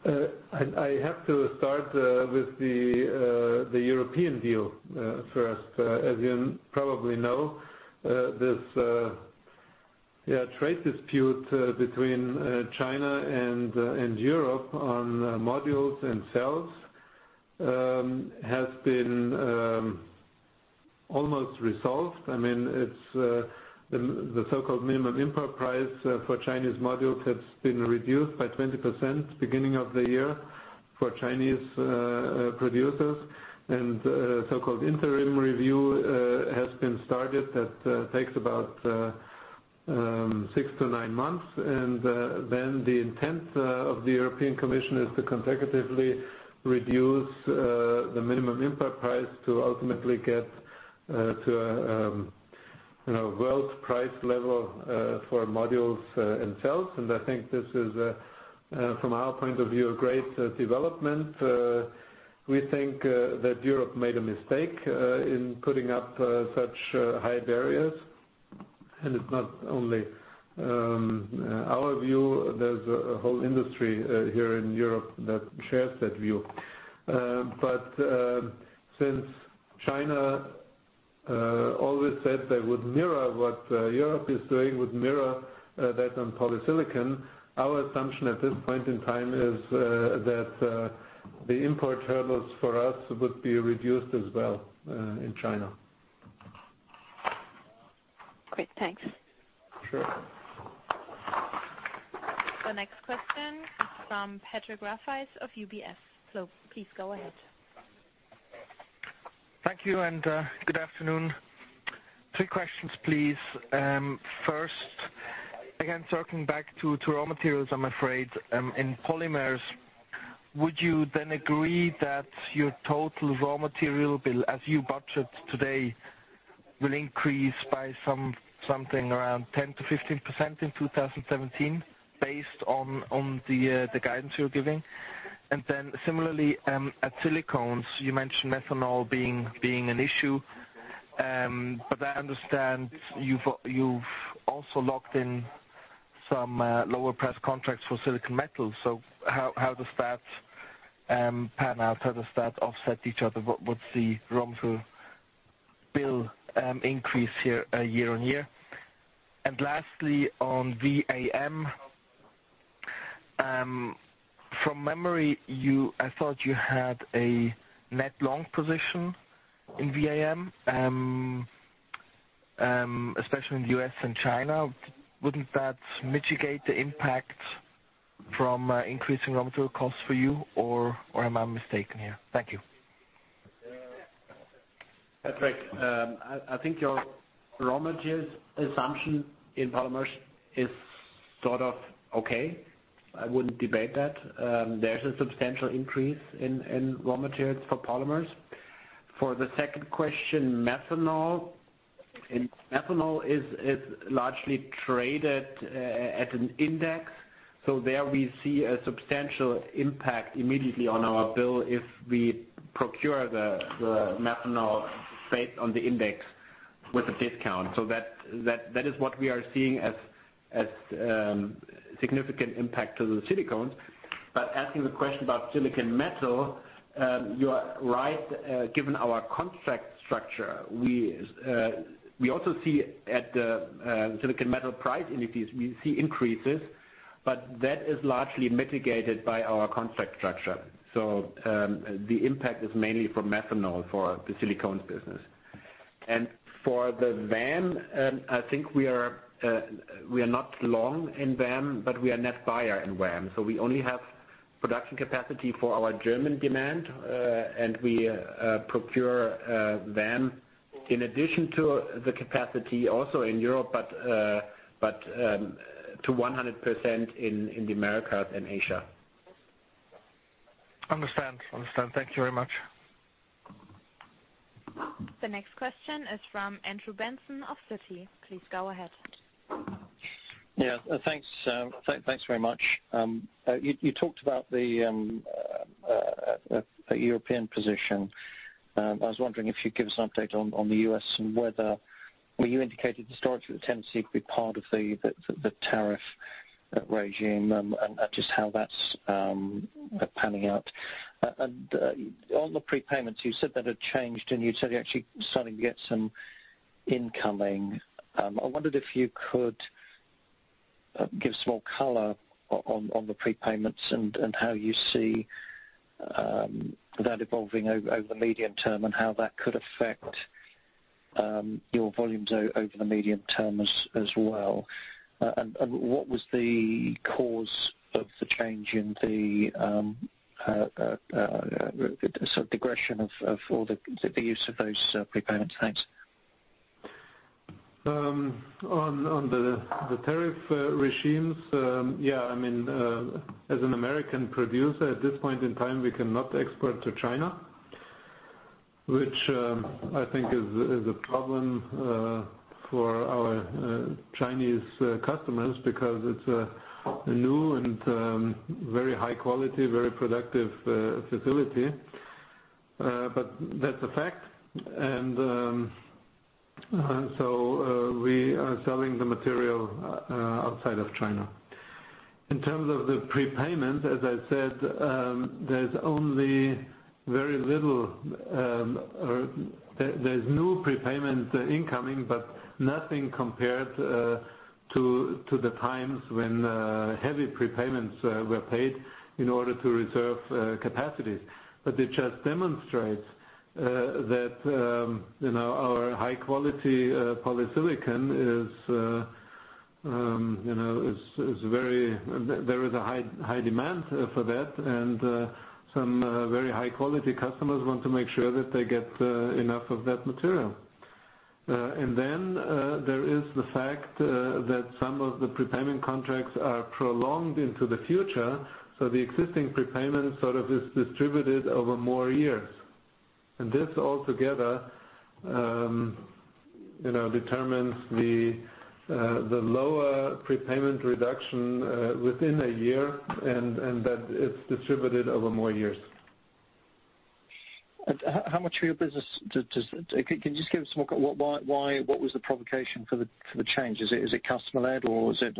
I have to start with the European deal first. As you probably know, this trade dispute between China and Europe on modules and cells has been almost resolved. I mean, the so-called minimum import price for Chinese modules has been reduced by 20% beginning of the year for Chinese producers. A so-called interim review has been started that takes about six to nine months. The intent of the European Commission is to consecutively reduce the minimum import price to ultimately get to a world price level for modules and cells. I think this is, from our point of view, a great development. We think that Europe made a mistake in putting up such high barriers. It's not only our view, there's a whole industry here in Europe that shares that view. Since China always said they would mirror what Europe is doing, would mirror that on polysilicon. Our assumption at this point in time is that the import hurdles for us would be reduced as well in China. Great. Thanks. Sure. The next question is from Patrick Rafaisz of UBS. Please go ahead. Thank you, and good afternoon. Three questions, please. First, again, circling back to raw materials, I'm afraid. In polymers, would you then agree that your total raw material bill, as you budget today, will increase by something around 10%-15% in 2017, based on the guidance you're giving? Then similarly, at silicones, you mentioned methanol being an issue. I understand you've also locked in some lower price contracts for silicon metal. How does that pan out? How does that offset each other? What would the raw material bill increase year-on-year? Lastly, on VAM. From memory, I thought you had a net long position in VAM, especially in the U.S. and China. Wouldn't that mitigate the impact from increasing raw material costs for you, or am I mistaken here? Thank you. Patrick, I think your raw materials assumption in polymers is sort of okay. I wouldn't debate that. There's a substantial increase in raw materials for polymers. For the second question, methanol. Methanol is largely traded at an index. There we see a substantial impact immediately on our bill if we procure the methanol based on the index with a discount. That is what we are seeing as significant impact to the silicones. Asking the question about silicon metal, you are right. Given our contract structure, we also see at the silicon metal price indices, we see increases, but that is largely mitigated by our contract structure. The impact is mainly from methanol for the silicones business. For the VAM, I think we are not long in VAM, but we are net buyer in VAM. We only have production capacity for our German demand. We procure VAM in addition to the capacity also in Europe, but to 100% in the Americas and Asia. Understand. Thank you very much. The next question is from Andrew Benson of Citi. Please go ahead. Thanks very much. You talked about the European position. I was wondering if you'd give us an update on the U.S. Well, you indicated the storage of the Tennessee could be part of the tariff regime, and just how that's panning out. On the prepayments, you said that had changed, and you said you're actually starting to get some incoming. I wondered if you could give some more color on the prepayments and how you see that evolving over the medium term, and how that could affect your volumes over the medium term as well. What was the cause of the change in the digression of all the use of those prepayments? Thanks. On the tariff regimes, as an American producer at this point in time, we cannot export to China, which I think is a problem for our Chinese customers because it's a new and very high quality, very productive facility. That's a fact, so we are selling the material outside of China. In terms of the prepayment, as I said, there's no prepayment incoming, nothing compared to the times when heavy prepayments were paid in order to reserve capacities. It just demonstrates that our high-quality polysilicon, there is a high demand for that, and some very high-quality customers want to make sure that they get enough of that material. Then, there is the fact that some of the prepayment contracts are prolonged into the future, the existing prepayment sort of is distributed over more years. This all together determines the lower prepayment reduction within a year, that it's distributed over more years. How much of your business Can you just give us more, what was the provocation for the change? Is it customer-led or is it-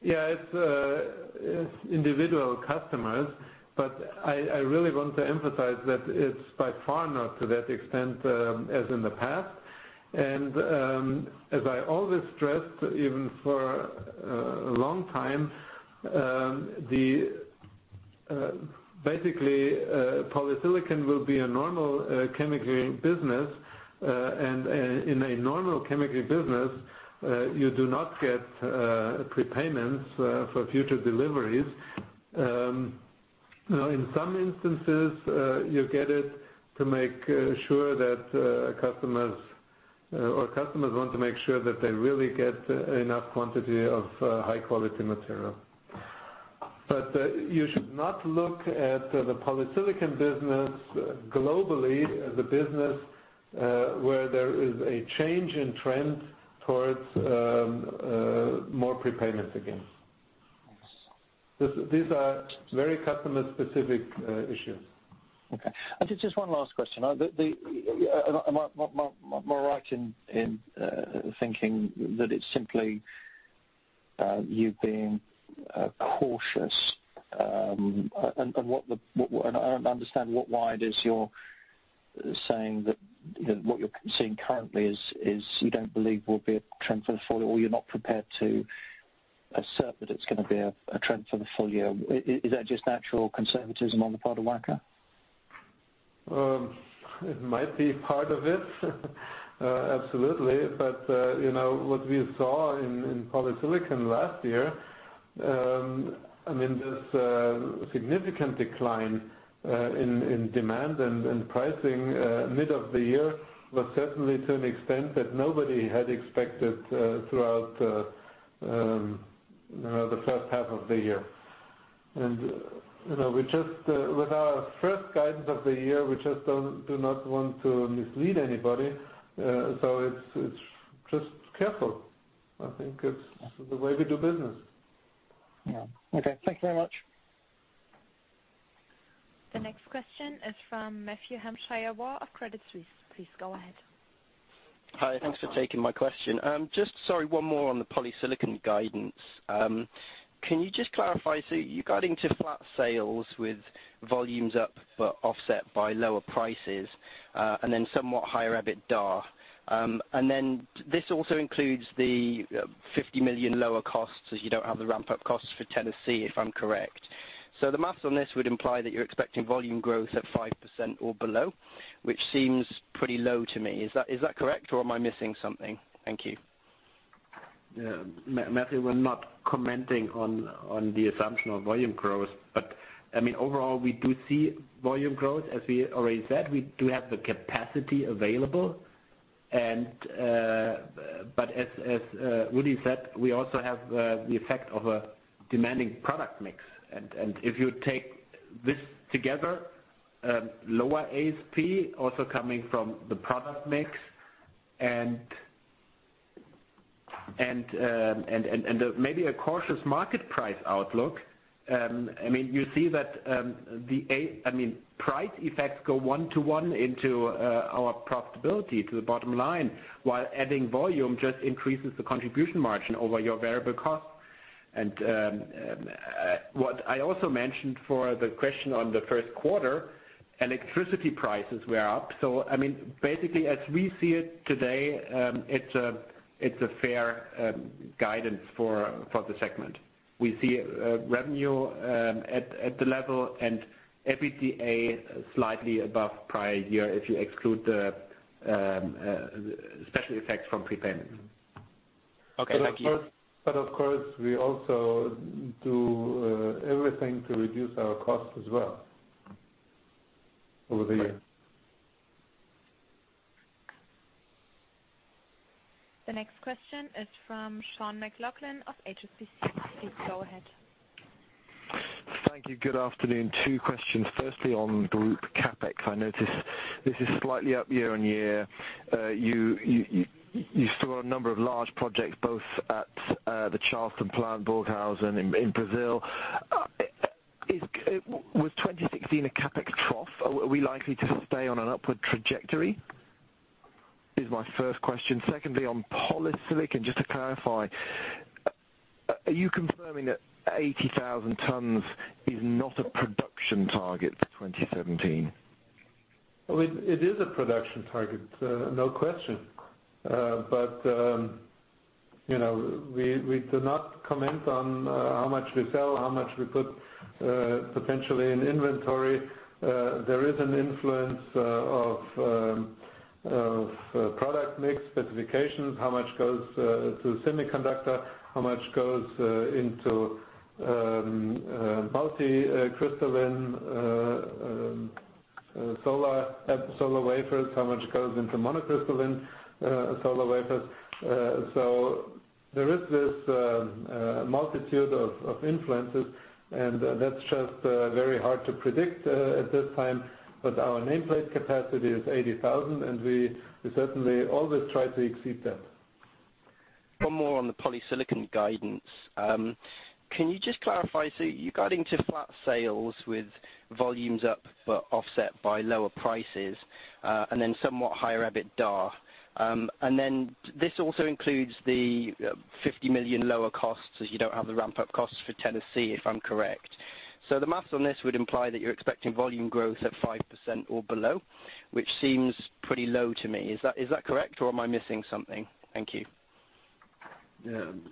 Yeah. It's individual customers, I really want to emphasize that it's by far not to that extent as in the past. As I always stressed, even for a long time, basically polysilicon will be a normal chemical business. In a normal chemical business, you do not get prepayments for future deliveries. In some instances, you get it to make sure that customers want to make sure that they really get enough quantity of high-quality material. You should not look at the polysilicon business globally as a business where there is a change in trend towards more prepayments again. Yes. These are very customer-specific issues. Okay. Just one last question. Am I right in thinking that it's simply you being cautious? I don't understand what you're saying that what you're seeing currently is you don't believe will be a trend for the full year, or you're not prepared to assert that it's going to be a trend for the full year. Is that just natural conservatism on the part of Wacker? It might be part of it. Absolutely. What we saw in polysilicon last year, this significant decline in demand and pricing mid of the year was certainly to an extent that nobody had expected throughout the first half of the year. With our first guidance of the year, we just do not want to mislead anybody. It's just careful. I think it's the way we do business. Yeah. Okay. Thank you very much. The next question is from Mathew Hampshire-Waugh of Credit Suisse. Please go ahead. Hi. Thanks for taking my question. Sorry, one more on the polysilicon guidance. Can you just clarify? You're guiding to flat sales with volumes up but offset by lower prices, then somewhat higher EBITDA. This also includes the 50 million lower costs as you don't have the ramp-up costs for Tennessee, if I'm correct. The maths on this would imply that you're expecting volume growth at 5% or below, which seems pretty low to me. Is that correct, or am I missing something? Thank you. Mathew, we're not commenting on the assumption of volume growth. Overall, we do see volume growth, as we already said. We do have the capacity available. As Uli said, we also have the effect of a demanding product mix. If you take this together, lower ASP also coming from the product mix and maybe a cautious market price outlook. You see that price effects go one-to-one into our profitability to the bottom line, while adding volume just increases the contribution margin over your variable cost. What I also mentioned for the question on the first quarter, electricity prices were up. Basically, as we see it today, it's a fair guidance for the segment. We see revenue at the level and EBITDA slightly above prior year, if you exclude the special effects from prepayment. Okay, thank you. Of course, we also do everything to reduce our costs as well over the year. The next question is from Sean McLoughlin of HSBC. Please go ahead. Thank you. Good afternoon. Two questions. Firstly, on group CapEx, I noticed this is slightly up year-on-year. You still got a number of large projects, both at the Charleston plant, Burghausen, in Brazil. Was 2016 a CapEx trough? Are we likely to stay on an upward trajectory? Is my first question. Secondly, on polysilicon, just to clarify, are you confirming that 80,000 tons is not a production target for 2017? It is a production target, no question. We do not comment on how much we sell, how much we put potentially in inventory. There is an influence of product mix specifications, how much goes to semiconductor, how much goes into multi-crystalline solar wafers, how much goes into monocrystalline solar wafers. There is this multitude of influences, and that's just very hard to predict at this time. Our nameplate capacity is 80,000, and we certainly always try to exceed that. One more on the polysilicon guidance. Can you just clarify? You're guiding to flat sales with volumes up but offset by lower prices, and then somewhat higher EBITDA. This also includes the 50 million lower costs as you don't have the ramp-up costs for Tennessee, if I'm correct. The maths on this would imply that you're expecting volume growth at 5% or below, which seems pretty low to me. Is that correct, or am I missing something? Thank you.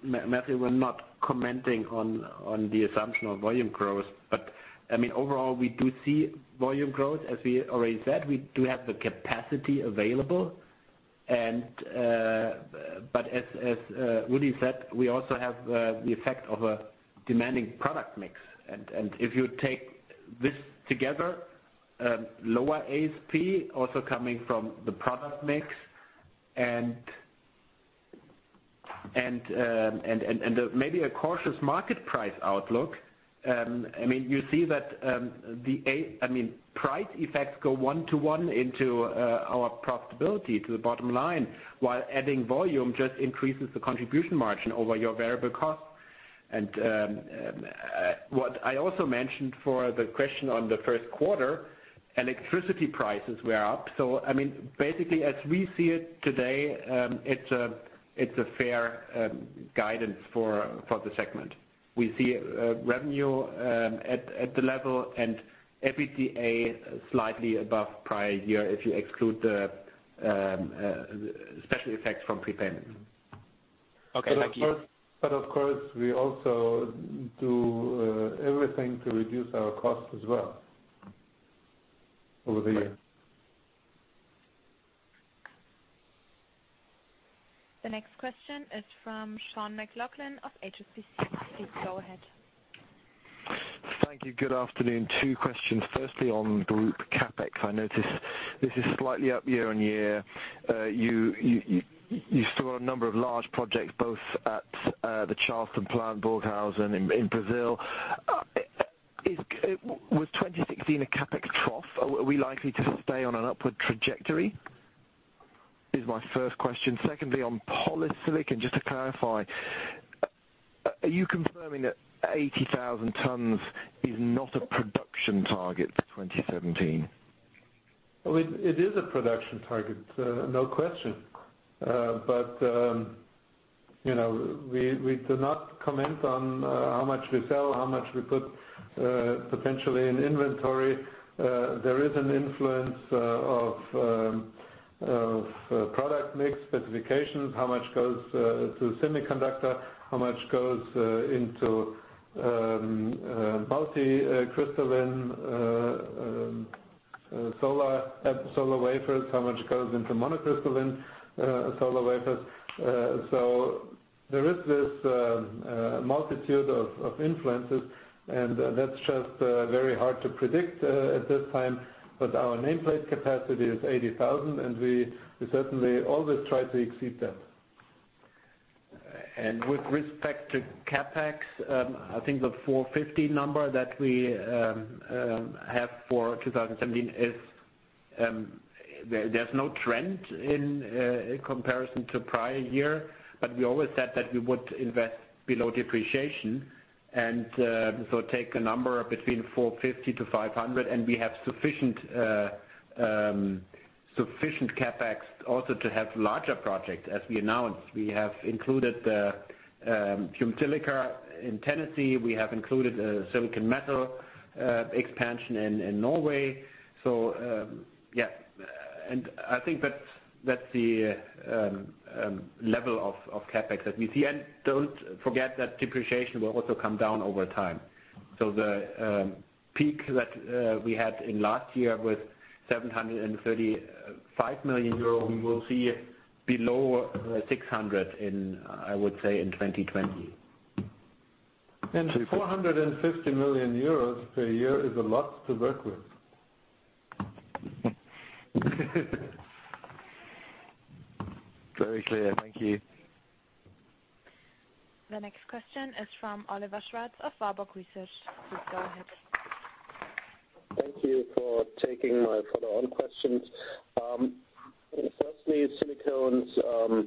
Mathew, we're not commenting on the assumption of volume growth. Overall, we do see volume growth, as we already said. We do have the capacity available. As Rudy said, we also have the effect of a demanding product mix. If you take this together, lower ASP also coming from the product mix and maybe a cautious market price outlook. You see that price effects go one-to-one into our profitability to the bottom line, while adding volume just increases the contribution margin over your variable cost. What I also mentioned for the question on the first quarter, electricity prices were up. Basically as we see it today, it's a fair guidance for the segment. We see revenue at the level and EBITDA slightly above prior year, if you exclude the special effects from prepayment. Okay. Thank you. Of course, we also do everything to reduce our costs as well over the year. The next question is from Sean McLoughlin of HSBC. Please go ahead. Thank you. Good afternoon. Two questions. Firstly, on group CapEx, I noticed this is slightly up year-on-year. You still got a number of large projects, both at the Charleston plant, Burghausen, in Brazil. Was 2016 a CapEx trough? Are we likely to stay on an upward trajectory? Is my first question. Secondly, on polysilicon, just to clarify, are you confirming that 80,000 tons is not a production target for 2017? It is a production target, no question. We do not comment on how much we sell, how much we put potentially in inventory. There is an influence of product mix specifications, how much goes to semiconductor, how much goes into multi-crystalline solar wafers, how much goes into monocrystalline solar wafers. There is this multitude of influences, and that's just very hard to predict at this time. Our nameplate capacity is 80,000, and we certainly always try to exceed that. With respect to CapEx, I think the 450 number that we have for 2017, there's no trend in comparison to prior year. We always said that we would invest below depreciation, take a number between 450-500, we have sufficient CapEx also to have larger projects. As we announced, we have included the pyrogenic silica in Tennessee. We have included a silicon metal expansion in Norway. Yeah. I think that's the level of CapEx that we see. Don't forget that depreciation will also come down over time. The peak that we had in last year was 735 million euro. We will see below 600, I would say in 2020. 450 million euros per year is a lot to work with. Very clear. Thank you. The next question is from Oliver Schwarz of Warburg Research. Please go ahead. Thank you for taking my follow-on questions. Firstly, silicones.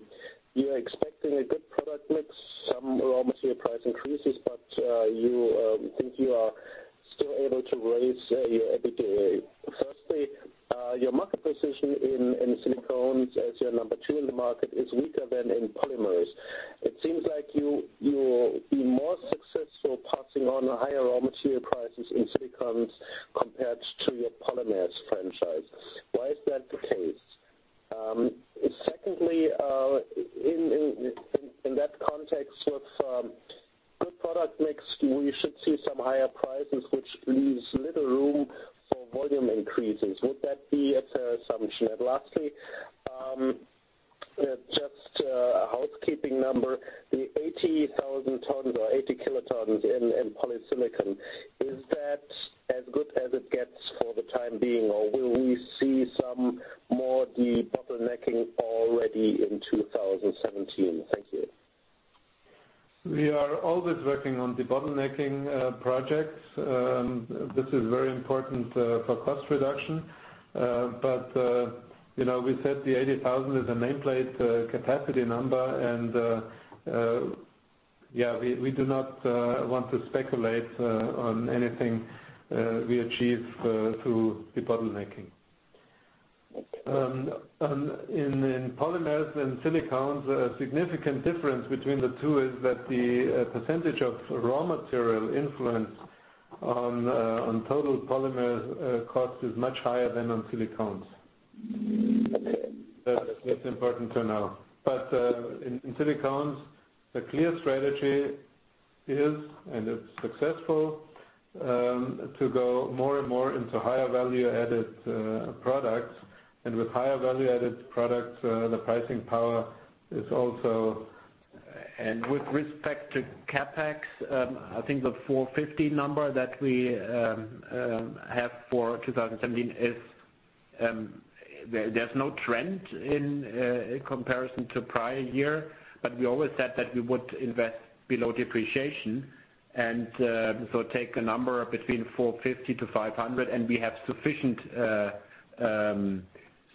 You are expecting a good product mix, some raw material price increases, you think you are still able to raise your EBITDA. Firstly, your market position in silicones as you are number 2 in the market, is weaker than in polymers. It seems like you are more successful passing on the higher raw material prices in silicones compared to your polymers franchise. Why is that the case? Secondly, in that context with good product mix, we should see some higher prices, which leaves little room for volume increases. Would that be a fair assumption? Lastly, just a housekeeping number, the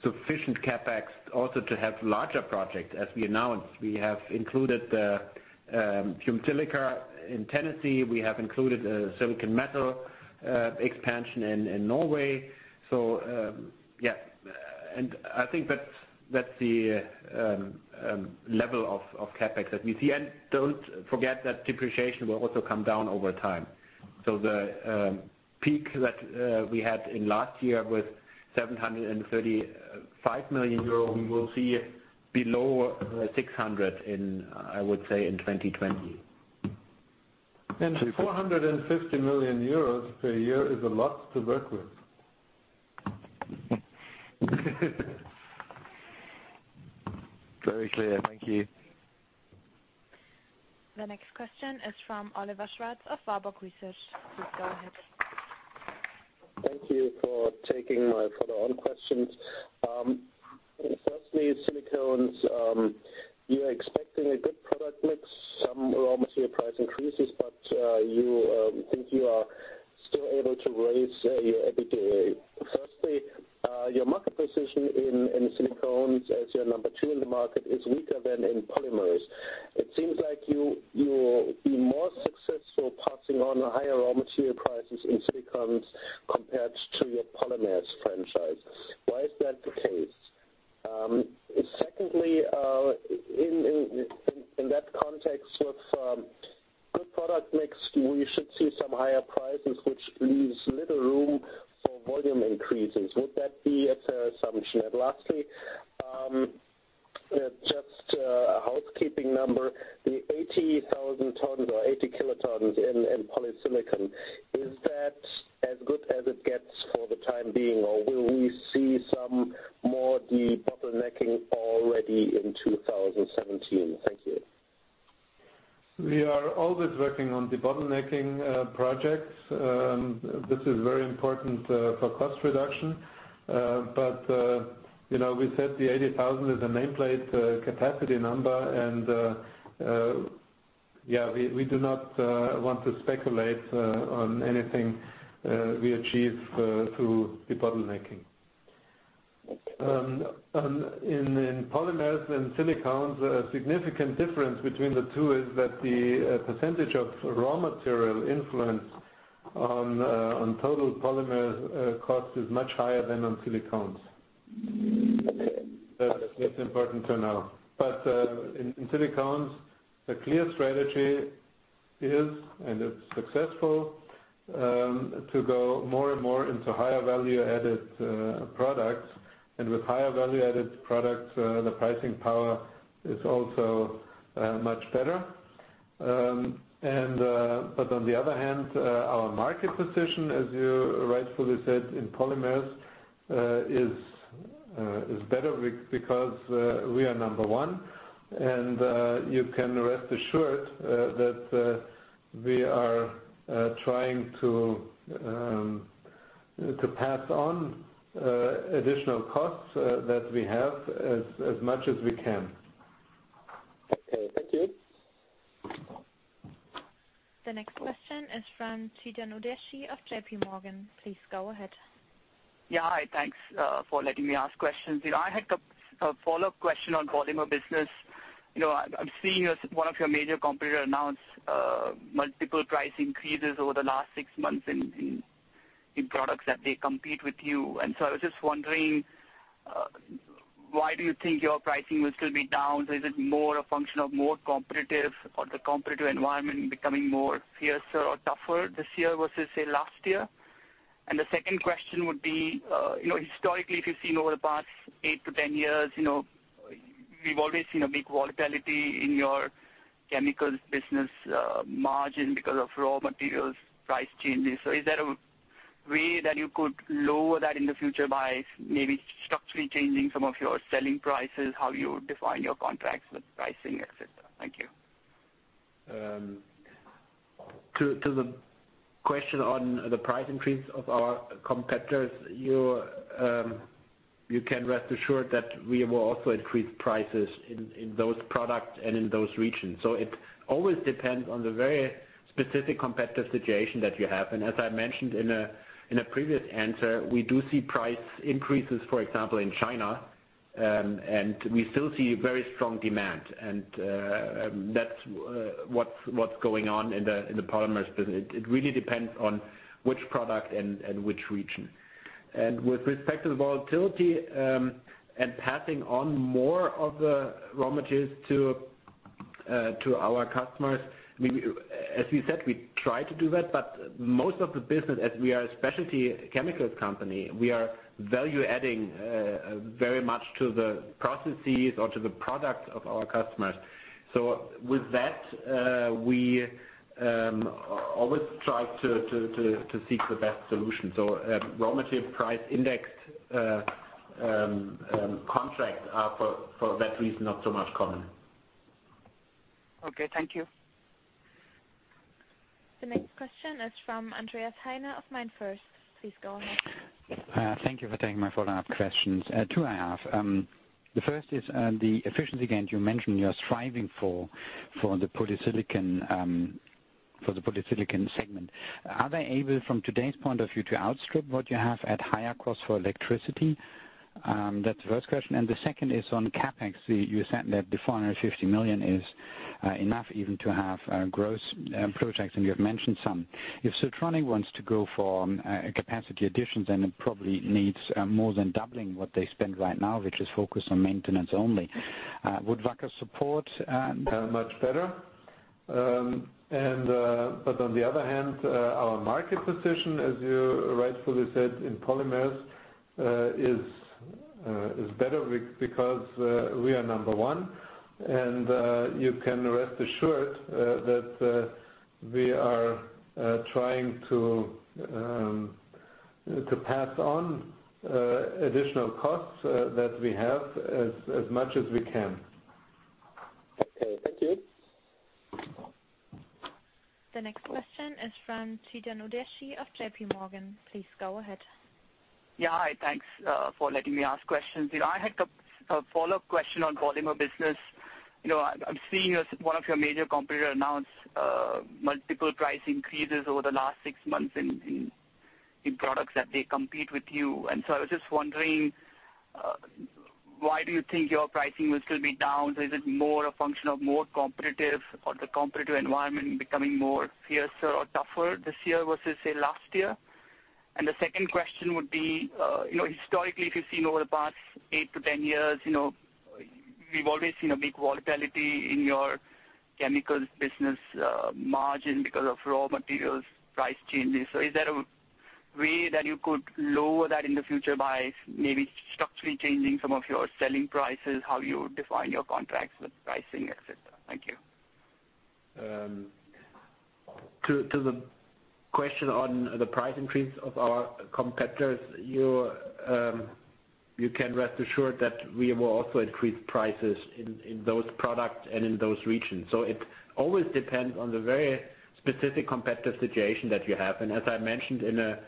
80,000 tons or 80 kilotons in polysilicon. Is that as good as it gets for the time being, or will we see some more debottlenecking already in 2017? Thank you. We are always working on debottlenecking projects. This is very important for cost reduction. We said the 80,000 is a nameplate capacity number, we do not want to speculate on anything we achieve through debottlenecking. In polymers and silicones, a significant difference between the two is that the percentage of raw material influence on total polymer cost is much higher than on silicones. That is important to know. In silicones, the clear strategy is, and it is successful, to go more and more into higher value-added products. additional costs that we have as much as we can. Okay. Thank you. The next question is from Chetan Udeshi of JPMorgan. Please go ahead. Yeah. Hi. Thanks for letting me ask questions. I had a follow-up question on polymer business. I'm seeing one of your major competitor announce multiple price increases over the last 6 months in products that they compete with you. I was just wondering, why do you think your pricing will still be down? Is it more a function of more competitive or the competitive environment becoming more fiercer or tougher this year versus, say, last year? The second question would be, historically, if you've seen over the past 8 to 10 years, we've always seen a big volatility in your chemicals business margin because of raw materials price changes. Is there a way that you could lower that in the future by maybe structurally changing some of your selling prices, how you define your contracts with pricing, et cetera? Thank you. To the question on the price increase of our competitors, you can rest assured that we will also increase prices in those products and in those regions. It always depends on the very specific competitive situation that you have. As I mentioned in a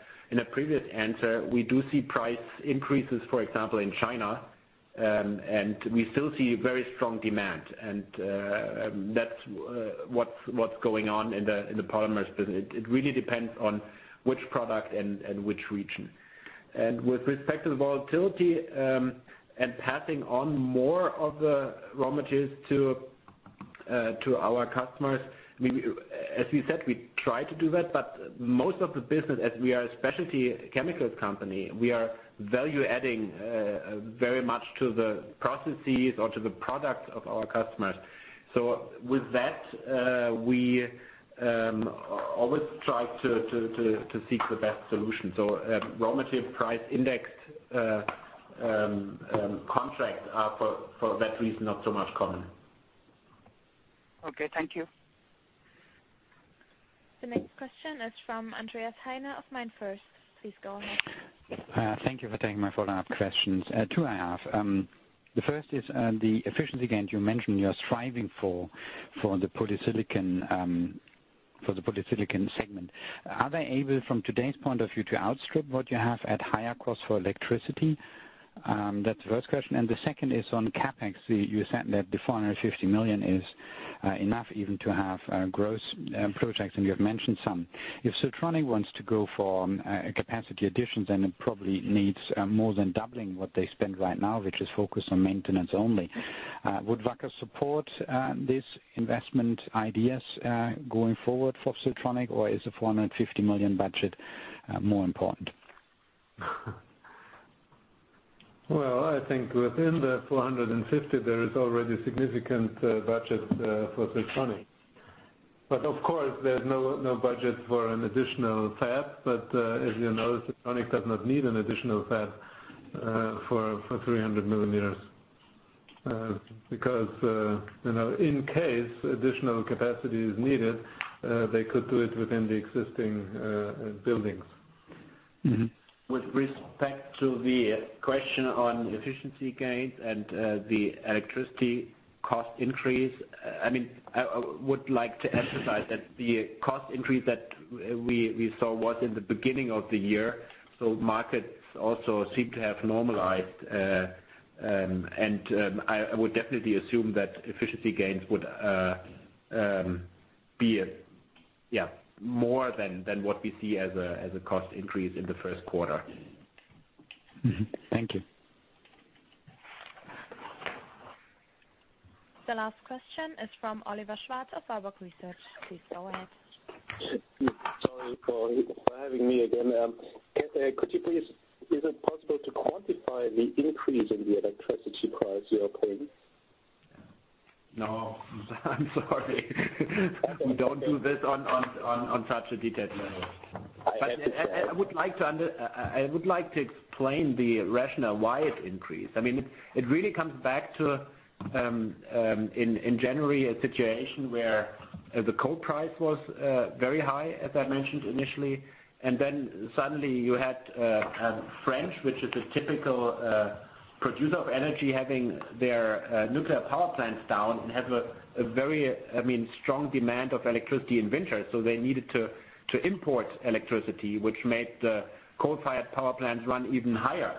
previous answer, we do see price increases, for example, in China, and we still see very strong demand. That's what's going on in the polymers business. It really depends on which product and which region. With respect to the volatility, and passing on more of the raw materials to our customers, as we said, we try to do that, but most of the business, as we are a specialty chemicals company, we are value adding very much to the processes or to the products of our customers. With that, we always try to seek the best solution. Raw material price index contracts are, for that reason, not so much common. Okay. Thank you. The next question is from Andreas Heine of MainFirst. Please go ahead. Thank you for taking my follow-up questions. Two I have. The first is the efficiency gains you mentioned you're striving for the polysilicon segment. Are they able, from today's point of view, to outstrip what you have at higher cost for electricity? I think within the 450, there is already a significant budget for Siltronic. Of course, there's no budget for an additional fab. As you know, Siltronic does not need an additional fab for 300 millimeters. Because in case additional capacity is needed, they could do it within the existing buildings. With respect to the question on efficiency gains and the electricity cost increase, I would like to emphasize that the cost increase that we saw was in the beginning of the year. Markets also seem to have normalized. I would definitely assume that efficiency gains would be more than what we see as a cost increase in the first quarter. Thank you. The last question is from Oliver Schwarz of Warburg Research. Please go ahead. Sorry for having me again. Ohler, is it possible to quantify the increase in the electricity price you are paying? No, I'm sorry. We don't do this on such a detailed level. I would like to explain the rationale why it increased. It really comes back to, in January, a situation where the coal price was very high, as I mentioned initially, suddenly you had France, which is a typical producer of energy, having their nuclear power plants down and has a very strong demand of electricity in winter. They needed to import electricity, which made the coal-fired power plants run even higher.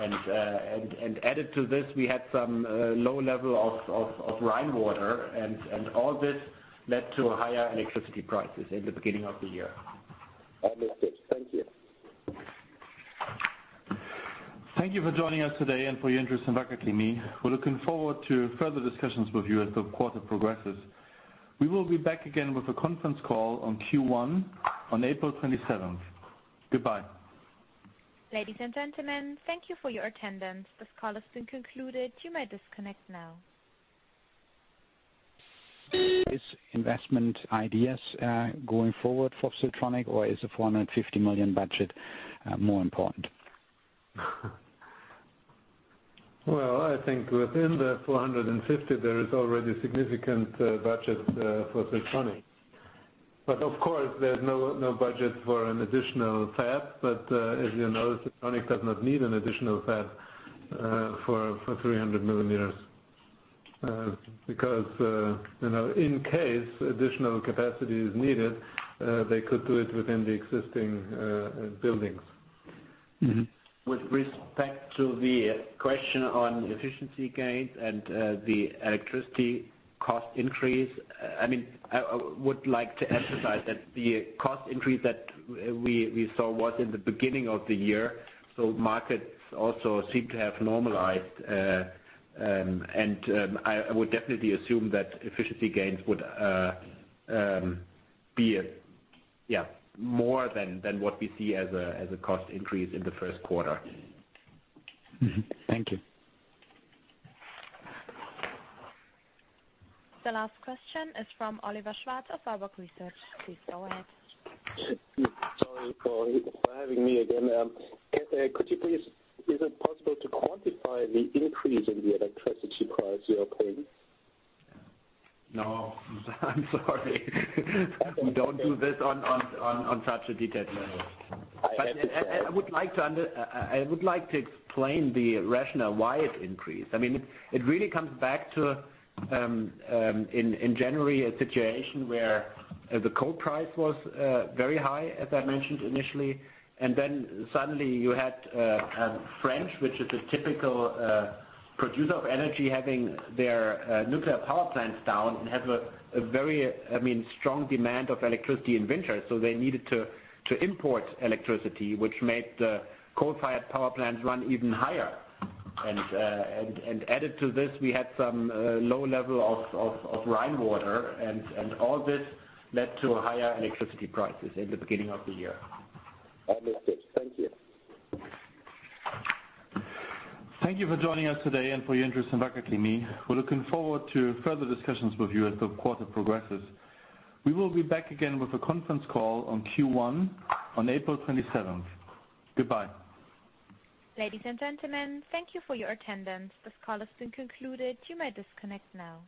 Added to this, we had some low level of Rhine water and all this led to higher electricity prices in the beginning of the year. Understood. Thank you. Thank you for joining us today and for your interest in Wacker Chemie. We're looking forward to further discussions with you as the quarter progresses. We will be back again with a conference call on Q1 on April 27th. Goodbye. Ladies and gentlemen, thank you for your attendance. This call has been concluded. You may disconnect now. These investment ideas going forward for Siltronic, or is the 450 million budget more important? Well, I think within the 450, there is already a significant budget for Siltronic. Of course, there's no budget for an additional fab. As you know, Siltronic does not need an additional fab for 300 millimeters. In case additional capacity is needed, they could do it within the existing buildings. With respect to the question on efficiency gains and the electricity cost increase, I would like to emphasize that the cost increase that we saw was in the beginning of the year. Markets also seem to have normalized, and I would definitely assume that efficiency gains would be more than what we see as a cost increase in the first quarter. Thank you. The last question is from Oliver Schwarz of Warburg Research. Please go ahead. Sorry for having me again. Ketter, is it possible to quantify the increase in the electricity price you are paying? No, I'm sorry. We don't do this on such a detailed level. I would like to explain the rationale why it increased. It really comes back to, in January, a situation where the coal price was very high, as I mentioned initially, then suddenly you had France, which is a typical producer of energy, having their nuclear power plants down and has a very strong demand of electricity in winter. They needed to import electricity, which made the coal-fired power plants run even higher. Added to this, we had some low level of Rhine water and all this led to higher electricity prices in the beginning of the year. Understood. Thank you. Thank you for joining us today and for your interest in Wacker Chemie. We're looking forward to further discussions with you as the quarter progresses. We will be back again with a conference call on Q1 on April 27th. Goodbye. Ladies and gentlemen, thank you for your attendance. This call has been concluded. You may disconnect now.